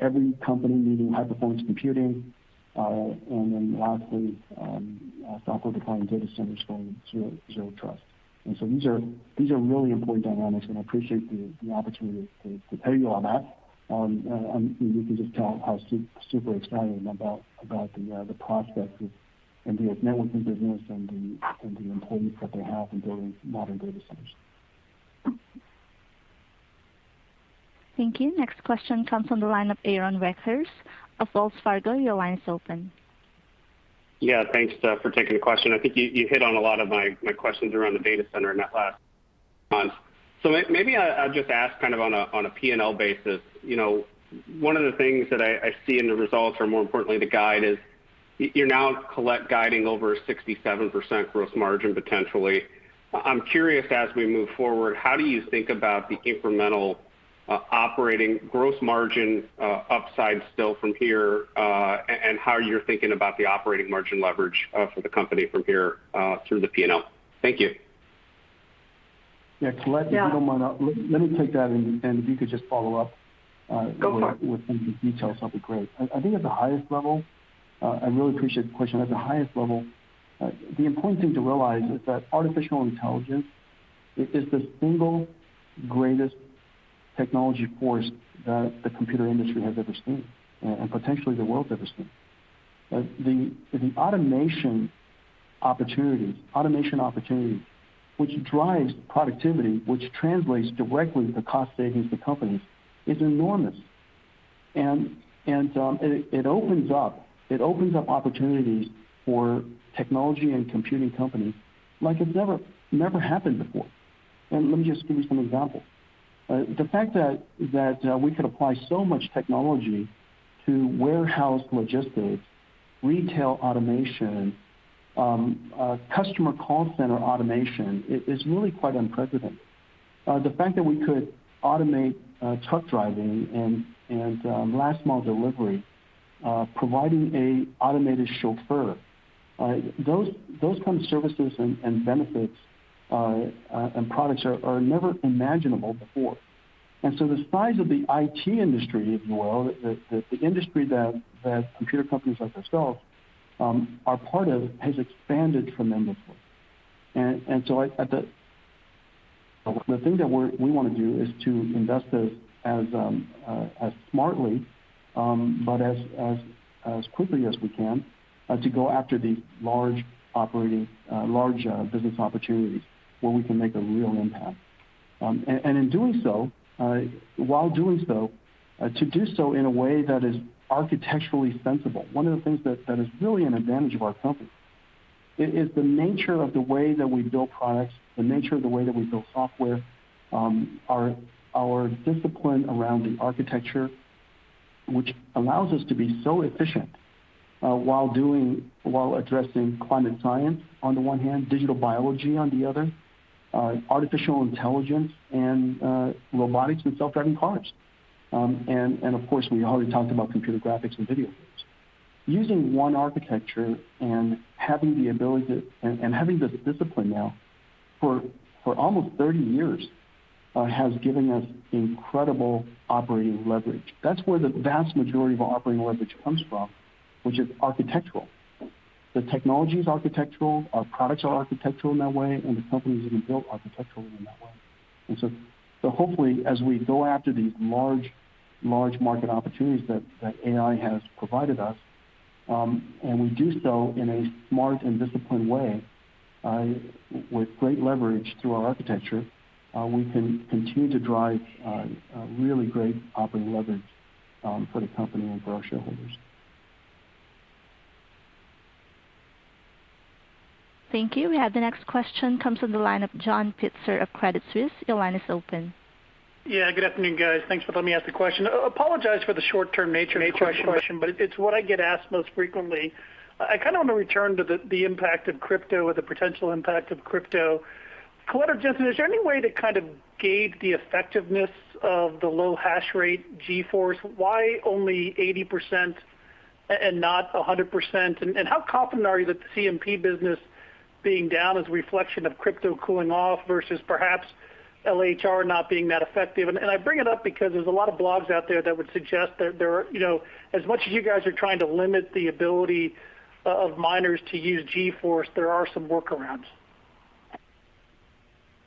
every company needing high performance computing, and then lastly, software defined data centers going zero trust. These are really important dynamics, and I appreciate the opportunity to tell you all that. You can just tell how super excited I am about the prospects and the networking business and the importance that they have in building modern data centers. Thank you. Next question comes from the line of Aaron Rakers of Wells Fargo. Your line is open. Yeah, thanks for taking the question. I think you hit on a lot of my questions around the data center in that last response. Maybe I'll just ask on a P&L basis. One of the things that I see in the results or more importantly the guide is you're now guiding over 67% gross margin, potentially. I'm curious as we move forward, how do you think about the incremental operating gross margin upside still from here, and how you're thinking about the operating margin leverage for the company from here through the P&L? Thank you. Yeah, Colette- Yeah if you don't mind, let me take that, and if you could just follow up. Go for it. With some of the details, that'd be great. I really appreciate the question. At the highest level, the important thing to realize is that artificial intelligence is the single greatest technology force that the computer industry has ever seen, and potentially the world's ever seen. The automation opportunity which drives productivity, which translates directly to cost savings to companies, is enormous. It opens up opportunities for technology and computing companies like it's never happened before. Let me just give you some examples. The fact that we could apply so much technology to warehouse logistics, retail automation, customer call center automation, is really quite unprecedented. The fact that we could automate truck driving and last mile delivery, providing a automated chauffeur. Those kind of services and benefits, and products are never imaginable before. The size of the IT industry, if you will, the industry that computer companies like ourselves are part of, has expanded tremendously. The thing that we want to do is to invest as smartly, but as quickly as we can to go after the large business opportunities where we can make a real impact. While doing so, to do so in a way that is architecturally sensible. One of the things that is really an advantage of our company is the nature of the way that we build products, the nature of the way that we build software, our discipline around the architecture, which allows us to be so efficient while addressing climate science on the one hand, digital biology on the other, artificial intelligence, and robotics and self-driving cars. Of course, we already talked about computer graphics and video games. Using one architecture and having the discipline now for almost 30 years has given us incredible operating leverage. That's where the vast majority of operating leverage comes from, which is architectural. The technology is architectural, our products are architectural in that way, and the company has been built architecturally in that way. Hopefully, as we go after these large market opportunities that AI has provided us, and we do so in a smart and disciplined way, with great leverage through our architecture, we can continue to drive really great operating leverage for the company and for our shareholders. Thank you. We have the next question comes from the line of John Pitzer of Credit Suisse. Your line is open. Good afternoon, guys. Thanks for letting me ask the question. I apologize for the short-term nature of the question, but it's what I get asked most frequently. I want to return to the impact of crypto or the potential impact of crypto. Colette or Jensen, is there any way to gauge the effectiveness of the low hash rate GeForce? Why only 80% and not 100%? How confident are you that the CMP business being down is a reflection of crypto cooling off versus perhaps LHR not being that effective? I bring it up because there's a lot of blogs out there that would suggest that as much as you guys are trying to limit the ability of miners to use GeForce, there are some workarounds.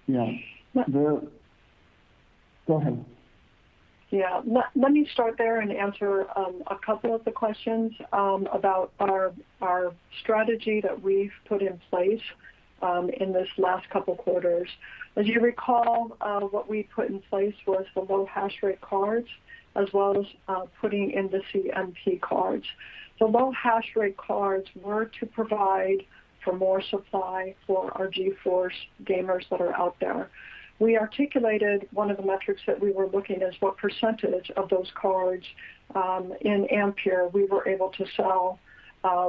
Yeah. Go ahead. Let me start there and answer a couple of the questions about our strategy that we've put in place in this last couple of quarters. As you recall, what we put in place was the low hash rate cards, as well as putting in the CMP cards. The low hash rate cards were to provide for more supply for our GeForce gamers that are out there. We articulated one of the metrics that we were looking as what percentage of those cards in Ampere we were able to sell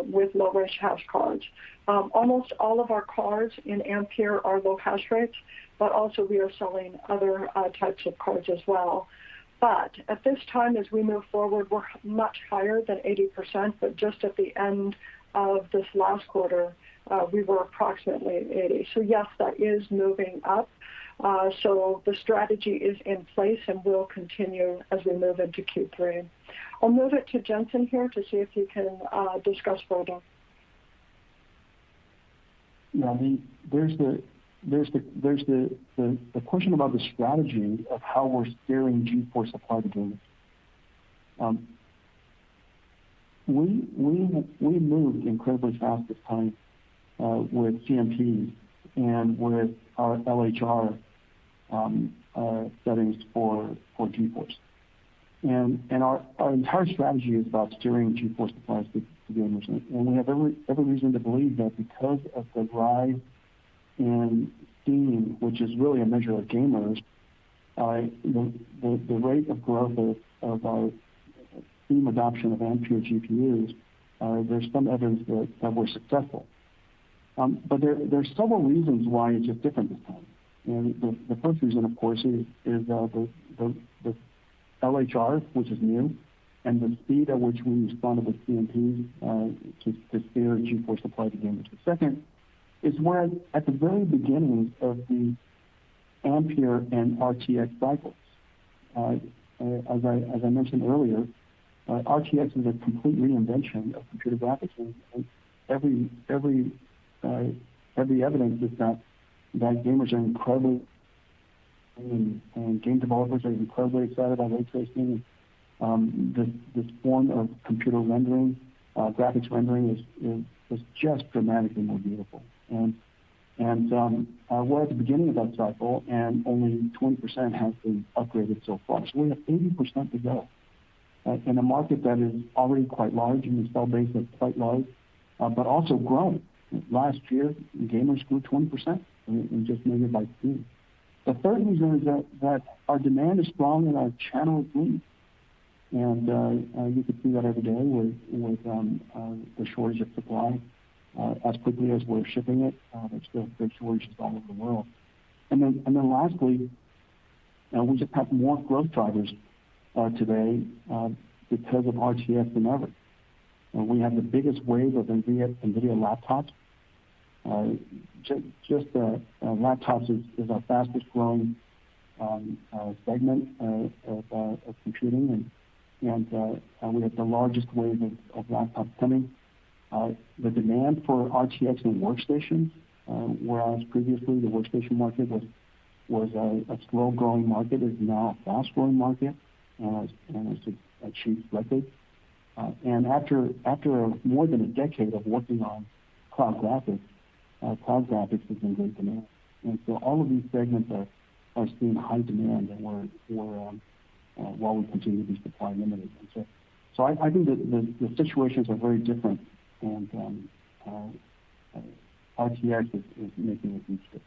with low-risk hash cards. Almost all of our cards in Ampere are low hash rates, but also we are selling other types of cards as well. At this time, as we move forward, we're much higher than 80%, just at the end of this last quarter, we were approximately at 80%. Yes, that is moving up. The strategy is in place and will continue as we move into Q3. I'll move it to Jensen here to see if he can discuss further. Yeah. The question about the strategy of how we're steering GeForce supply to gamers. We moved incredibly fast this time with CMPs and with our LHR settings for GeForce. Our entire strategy is about steering GeForce supplies to gamers. We have every reason to believe that because of the rise in Steam, which is really a measure of gamers, the rate of growth of our Steam adoption of Ampere GPUs, there's some evidence that we're successful. There are several reasons why it's just different this time. The first reason, of course, is the LHR, which is new, and the speed at which we responded with CMP to steer GeForce supply to gamers. The second is we're at the very beginning of the Ampere and RTX cycles. As I mentioned earlier, RTX is a complete reinvention of computer graphics. Every evidence is that gamers are incredibly and game developers are incredibly excited about ray tracing. This form of computer rendering, graphics rendering is just dramatically more beautiful. We're at the beginning of that cycle, and only 20% has been upgraded so far. We have 80% to go. In a market that is already quite large, and install base that's quite large, but also growing. Last year, gamers grew 20% in just measured by Steam. The third reason is that our demand is strong and our channel is weak. You could see that every day with the shortage of supply. As quickly as we're shipping it, there's still big shortages all over the world. Lastly, we just have more growth drivers today because of RTX than ever. We have the biggest wave of NVIDIA laptops. Just laptops is our fastest growing segment of computing, and we have the largest wave of laptops coming. The demand for RTX in workstations, whereas previously the workstation market was a slow-growing market, is now a fast-growing market, and it's achieved record. After more than a decade of working on cloud graphics, cloud graphics is in great demand. All of these segments are seeing high demand and while we continue to be supply limited. I think the situations are very different, and RTX is making a huge difference.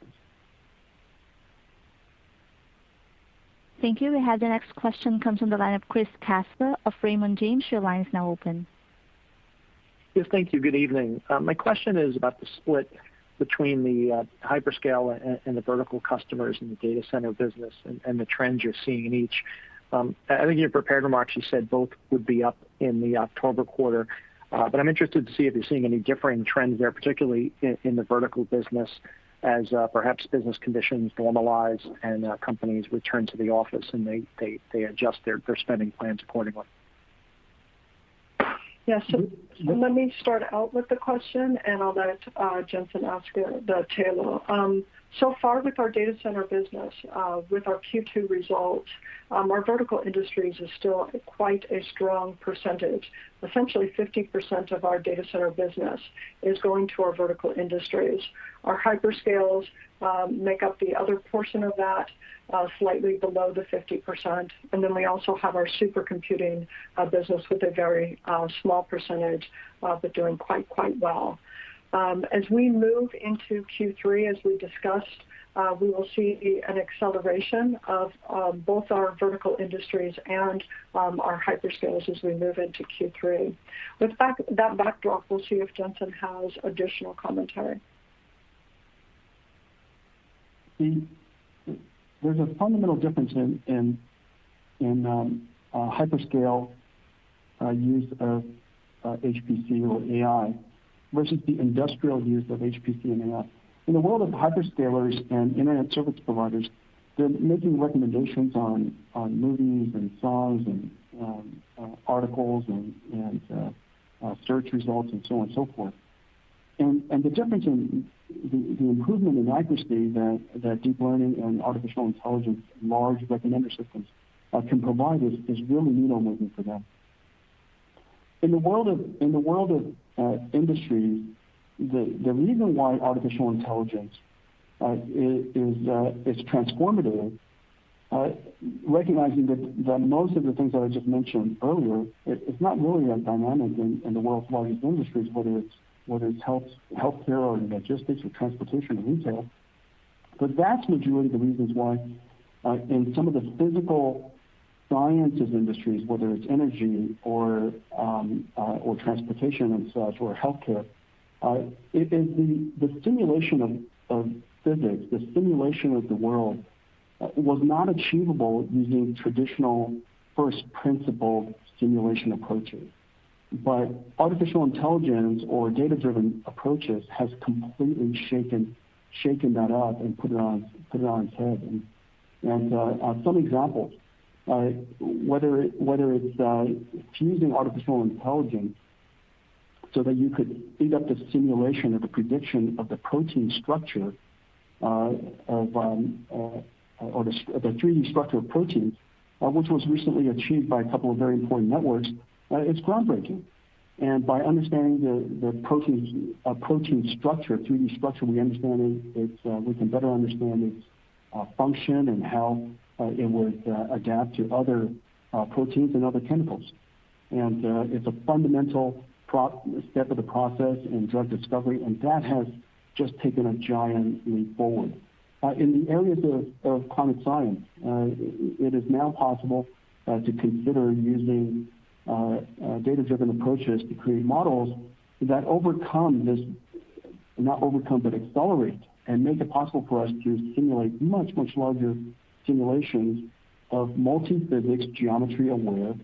Thank you. We have the next question comes from the line of Chris Caso of Raymond James. Your line is now open. Yes. Thank you, good evening. My question is about the split between the hyperscale and the vertical customers in the data center business and the trends you're seeing in each. I think in your prepared remarks, you said both would be up in the October quarter. I'm interested to see if you're seeing any differing trends there, particularly in the vertical business, as perhaps business conditions normalize and companies return to the office, and they adjust their spending plans accordingly. Yes. Let me start out with the question, and I'll let Jensen ask the tail. So far with our data center business, with our Q2 results, our vertical industries is still quite a strong percentage. Essentially, 50% of our data center business is going to our vertical industries. Our hyperscales make up the other portion of that, slightly below the 50%. Then we also have our supercomputing business with a very small percentage, but doing quite well. As we move into Q3, as we discussed, we will see an acceleration of both our vertical industries and our hyperscales as we move into Q3. With that backdrop, we'll see if Jensen has additional commentary. There's a fundamental difference in hyperscale use of HPC or AI versus the industrial use of HPC and AI. In the world of hyperscalers and internet service providers, they're making recommendations on movies and songs and articles and search results and so on and so forth. The difference in the improvement in accuracy that deep learning and artificial intelligence, large recommender systems can provide is really needle-moving for them. In the world of industry, the reason why artificial intelligence is transformative, recognizing that most of the things that I just mentioned earlier, it's not really as dynamic in the world's largest industries, whether it's healthcare or logistics or transportation or retail. The vast majority of the reasons why in some of the physical sciences industries, whether it's energy or transportation and such, or healthcare, is the simulation of physics. The simulation of the world was not achievable using traditional first-principle simulation approaches. But artificial intelligence or data-driven approaches has completely shaken that up and put it on its head. Some examples, whether it's using artificial intelligence so that you could speed up the simulation or the prediction of the protein structure or the 3D structure of proteins, which was recently achieved by a couple of very important networks, it's groundbreaking. By understanding the protein structure, 3D structure, we can better understand its function and how it would adapt to other proteins and other chemicals. It's a fundamental step of the process in drug discovery, and that has just taken a giant leap forward. In the areas of climate science, it is now possible to consider using data-driven approaches to create models that overcome, not overcome, but accelerate and make it possible for us to simulate much, much larger simulations of multi-physics, geometry-aware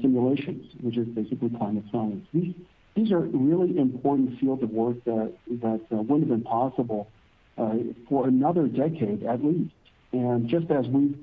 simulations, which is basically climate science. These are really important fields of work that wouldn't have been possible for another decade at least. Just as we've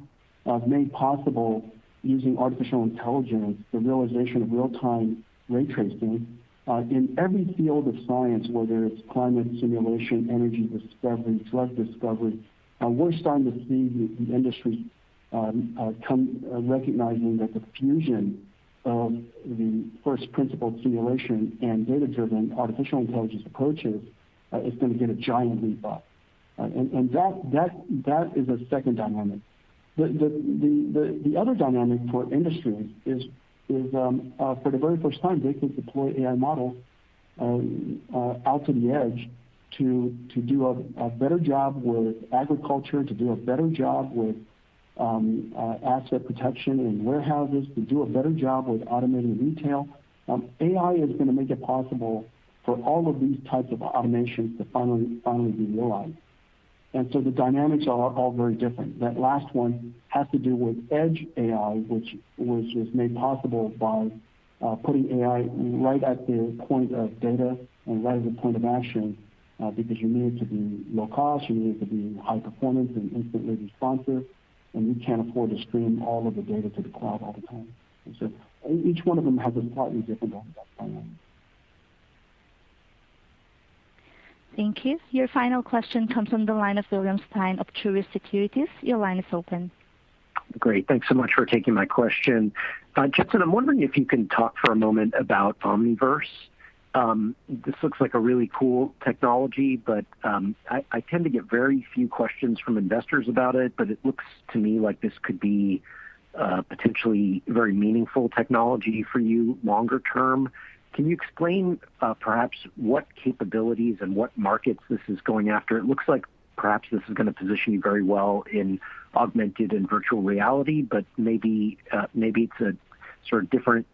made possible using artificial intelligence, the realization of real-time ray tracing, in every field of science, whether it's climate simulation, energy discovery, drug discovery, we're starting to see the industry recognizing that the fusion of the first-principle simulation and data-driven artificial intelligence approaches is going to get a giant leap up. That is a second dynamic. The other dynamic for industry is, for the very first time they can deploy AI models out to the edge to do a better job with agriculture, to do a better job with asset protection in warehouses, to do a better job with automated retail. AI is going to make it possible for all of these types of automations to finally be realized. The dynamics are all very different. That last one has to do with edge AI, which was made possible by putting AI right at the point of data and right at the point of action, because you need it to be low cost, you need it to be high performance and instantly responsive, and you can't afford to stream all of the data to the cloud all the time. Each one of them has a slightly different dynamic. Thank you. Your final question comes from the line of William Stein of Truist Securities, your line is open. Great. Thanks so much for taking my question. Jensen, I'm wondering if you can talk for a moment about Omniverse. This looks like a really cool technology, but I tend to get very few questions from investors about it, but it looks to me like this could be a potentially very meaningful technology for you longer term. Can you explain perhaps what capabilities and what markets this is going after? It looks like perhaps this is going to position you very well in augmented and virtual reality, but maybe it's a sort of different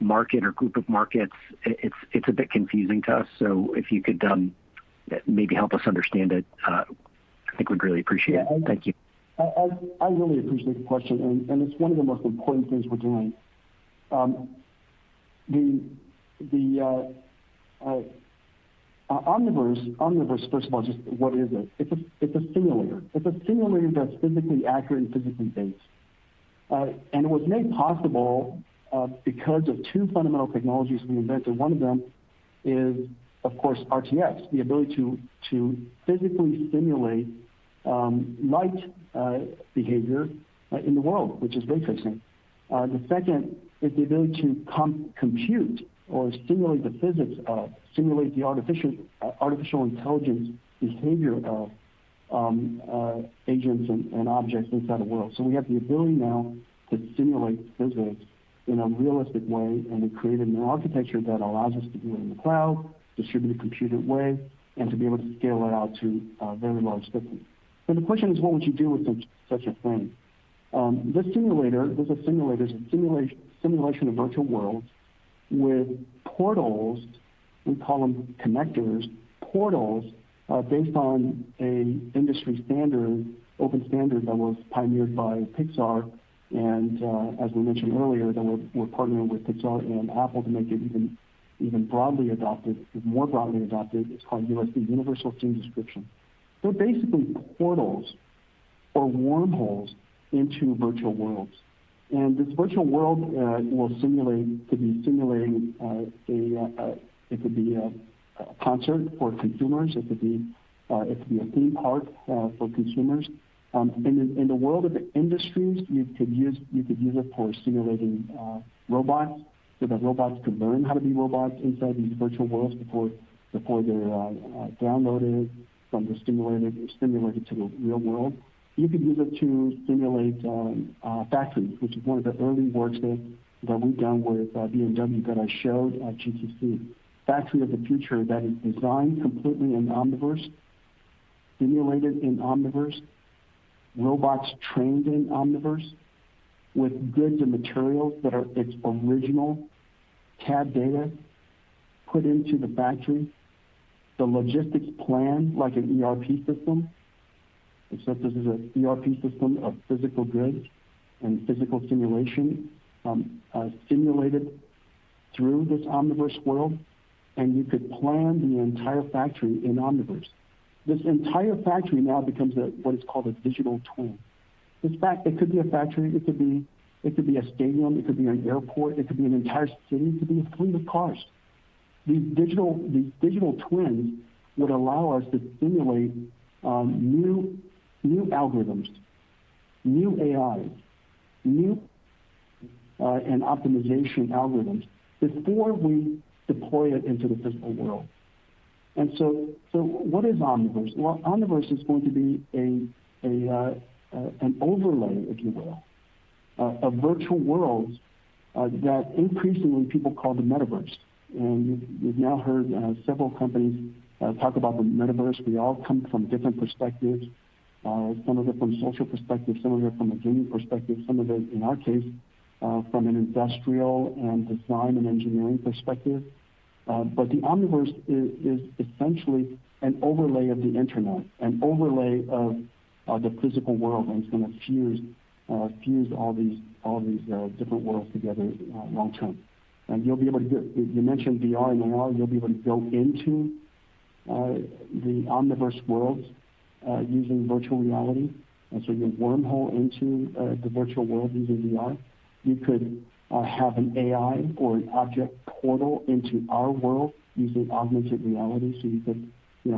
market or group of markets, it's a bit confusing to us. If you could maybe help us understand it, I think we'd really appreciate it. Thank you. I really appreciate the question, and it's one of the most important things we're doing. The Omniverse, first of all, just what is it? It's a simulator that's physically accurate and physically based. It was made possible because of two fundamental technologies we invented. One of them is of course, RTX, the ability to physically simulate light behavior in the world, which is ray tracing. The second is the ability to compute or simulate the artificial intelligence behavior of agents and objects inside a world. We have the ability now to simulate physics in a realistic way, and we created a new architecture that allows us to do it in the cloud, distributed, computed way, and to be able to scale it out to very large systems. The question is, what would you do with such a thing? This simulator is a simulation of virtual worlds with portals, we call them connectors, portals, based on an industry open standard that was pioneered by Pixar. As we mentioned earlier, that we're partnering with Pixar and Apple to make it even more broadly adopted. It's called USD, Universal Scene Description. They're basically portals or wormholes into virtual worlds. This virtual world could be simulating a concert for consumers, it could be a theme park for consumers. In the world of industries, you could use it for simulating robots, so that robots could learn how to be robots inside these virtual worlds before they're downloaded from the simulator or simulated to the real world. You could use it to simulate factories, which is one of the early works that we've done with BMW that I showed at GTC. Factory of the future that is designed completely in Omniverse, simulated in Omniverse, robots trained in Omniverse, with goods and materials that are its original CAD data put into the factory. The logistics plan, like an ERP system, except this is an ERP system of physical goods and physical simulation simulated through this Omniverse world, you could plan the entire factory in Omniverse. This entire factory now becomes what is called a digital twin. It could be a factory, it could be a stadium, it could be an airport, it could be an entire city, it could be a fleet of cars. These digital twins would allow us to simulate new algorithms, new AIs, new and optimization algorithms before we deploy it into the physical world. What is Omniverse? Well, Omniverse is going to be an overlay, if you will, of virtual worlds that increasingly people call the Metaverse. You've now heard several companies talk about the Metaverse. We all come from different perspectives. Some of it from social perspective, some of it from a gaming perspective, some of it, in our case, from an industrial and design and engineering perspective. The Omniverse is essentially an overlay of the internet, an overlay of the physical world, and it's going to fuse all these different worlds together long term. You mentioned VR and AR, you'll be able to go into the Omniverse worlds using virtual reality. So you wormhole into the virtual world using VR. You could have an AI or an object portal into our world using augmented reality. You could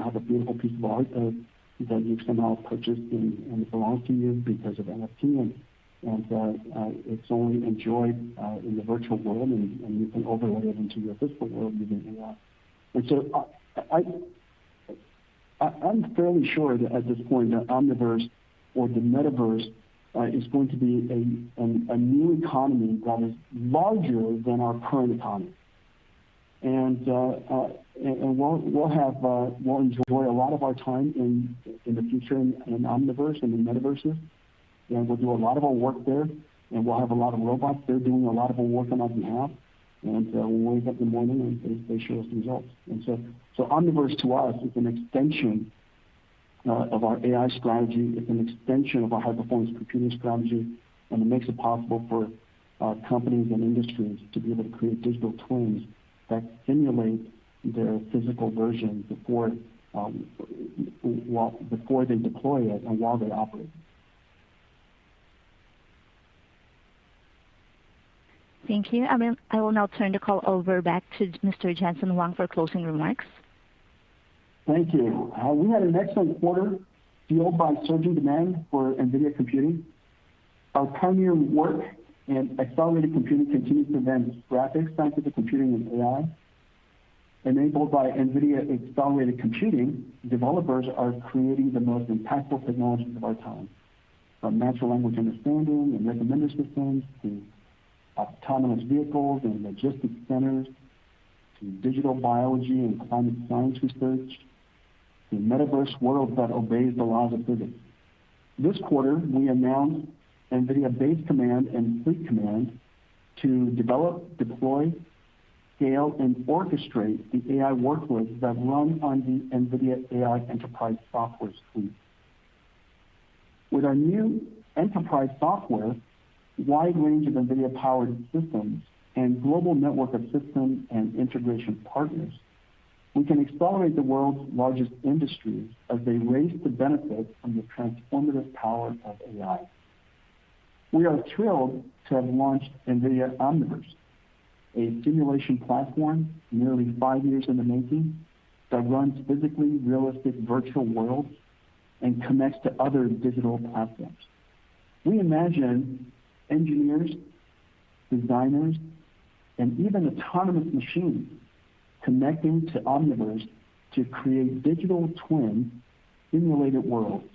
have a beautiful piece of art that you've somehow purchased, and it belongs to you because of NFT, and it's only enjoyed in the virtual world, and you can overlay it into your physical world using AR. I'm fairly sure at this point that Omniverse or the Metaverse is going to be a new economy that is larger than our current economy. We'll enjoy a lot of our time in the future in Omniverse and in Metaverses. We'll do a lot of our work there, and we'll have a lot of robots there doing a lot of our work on our behalf. We'll wake up in the morning, and they show us results. Omniverse to us is an extension of our AI strategy. It's an extension of our high-performance computing strategy, and it makes it possible for companies and industries to be able to create digital twins that simulate their physical version before they deploy it and while they operate. Thank you. I will now turn the call over back to Mr. Jensen Huang for closing remarks. Thank you. We had an excellent quarter fueled by surging demand for NVIDIA computing. Our pioneer work in accelerated computing continues to advance graphics, scientific computing, and AI. Enabled by NVIDIA accelerated computing, developers are creating the most impactful technologies of our time. From natural language understanding and recommender systems to autonomous vehicles and logistics centers, to digital biology and climate science research. The metaverse world that obeys the laws of physics. This quarter, we announced NVIDIA Base Command and Fleet Command to develop, deploy, scale, and orchestrate the AI workloads that run on the NVIDIA AI Enterprise Software Suite. With our new enterprise software, wide range of NVIDIA-powered systems, and global network of systems and integration partners, we can accelerate the world's largest industries as they race to benefit from the transformative power of AI. We are thrilled to have launched NVIDIA Omniverse, a simulation platform nearly five years in the making that runs physically realistic virtual worlds and connects to other digital platforms. We imagine engineers, designers, and even autonomous machines connecting to Omniverse to create digital twin simulated worlds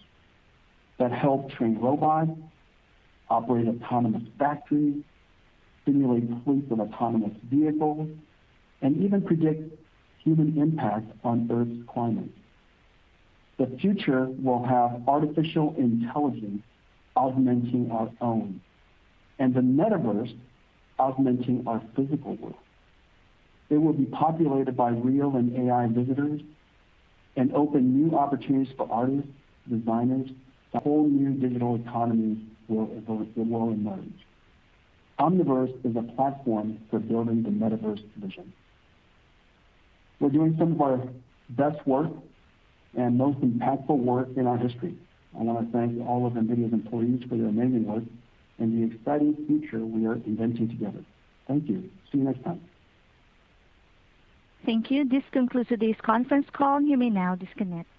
that help train robots, operate autonomous factories, simulate fleets of autonomous vehicles, and even predict human impact on Earth's climate. The future will have artificial intelligence augmenting our own, and the metaverse augmenting our physical world. It will be populated by real and AI visitors and open new opportunities for artists, designers. A whole new digital economy will emerge. Omniverse is a platform for building the metaverse vision. We're doing some of our best work and most impactful work in our history. I want to thank all of NVIDIA's employees for their amazing work and the exciting future we are inventing together. Thank you. See you next time. Thank you. This concludes today's conference call. You may now disconnect.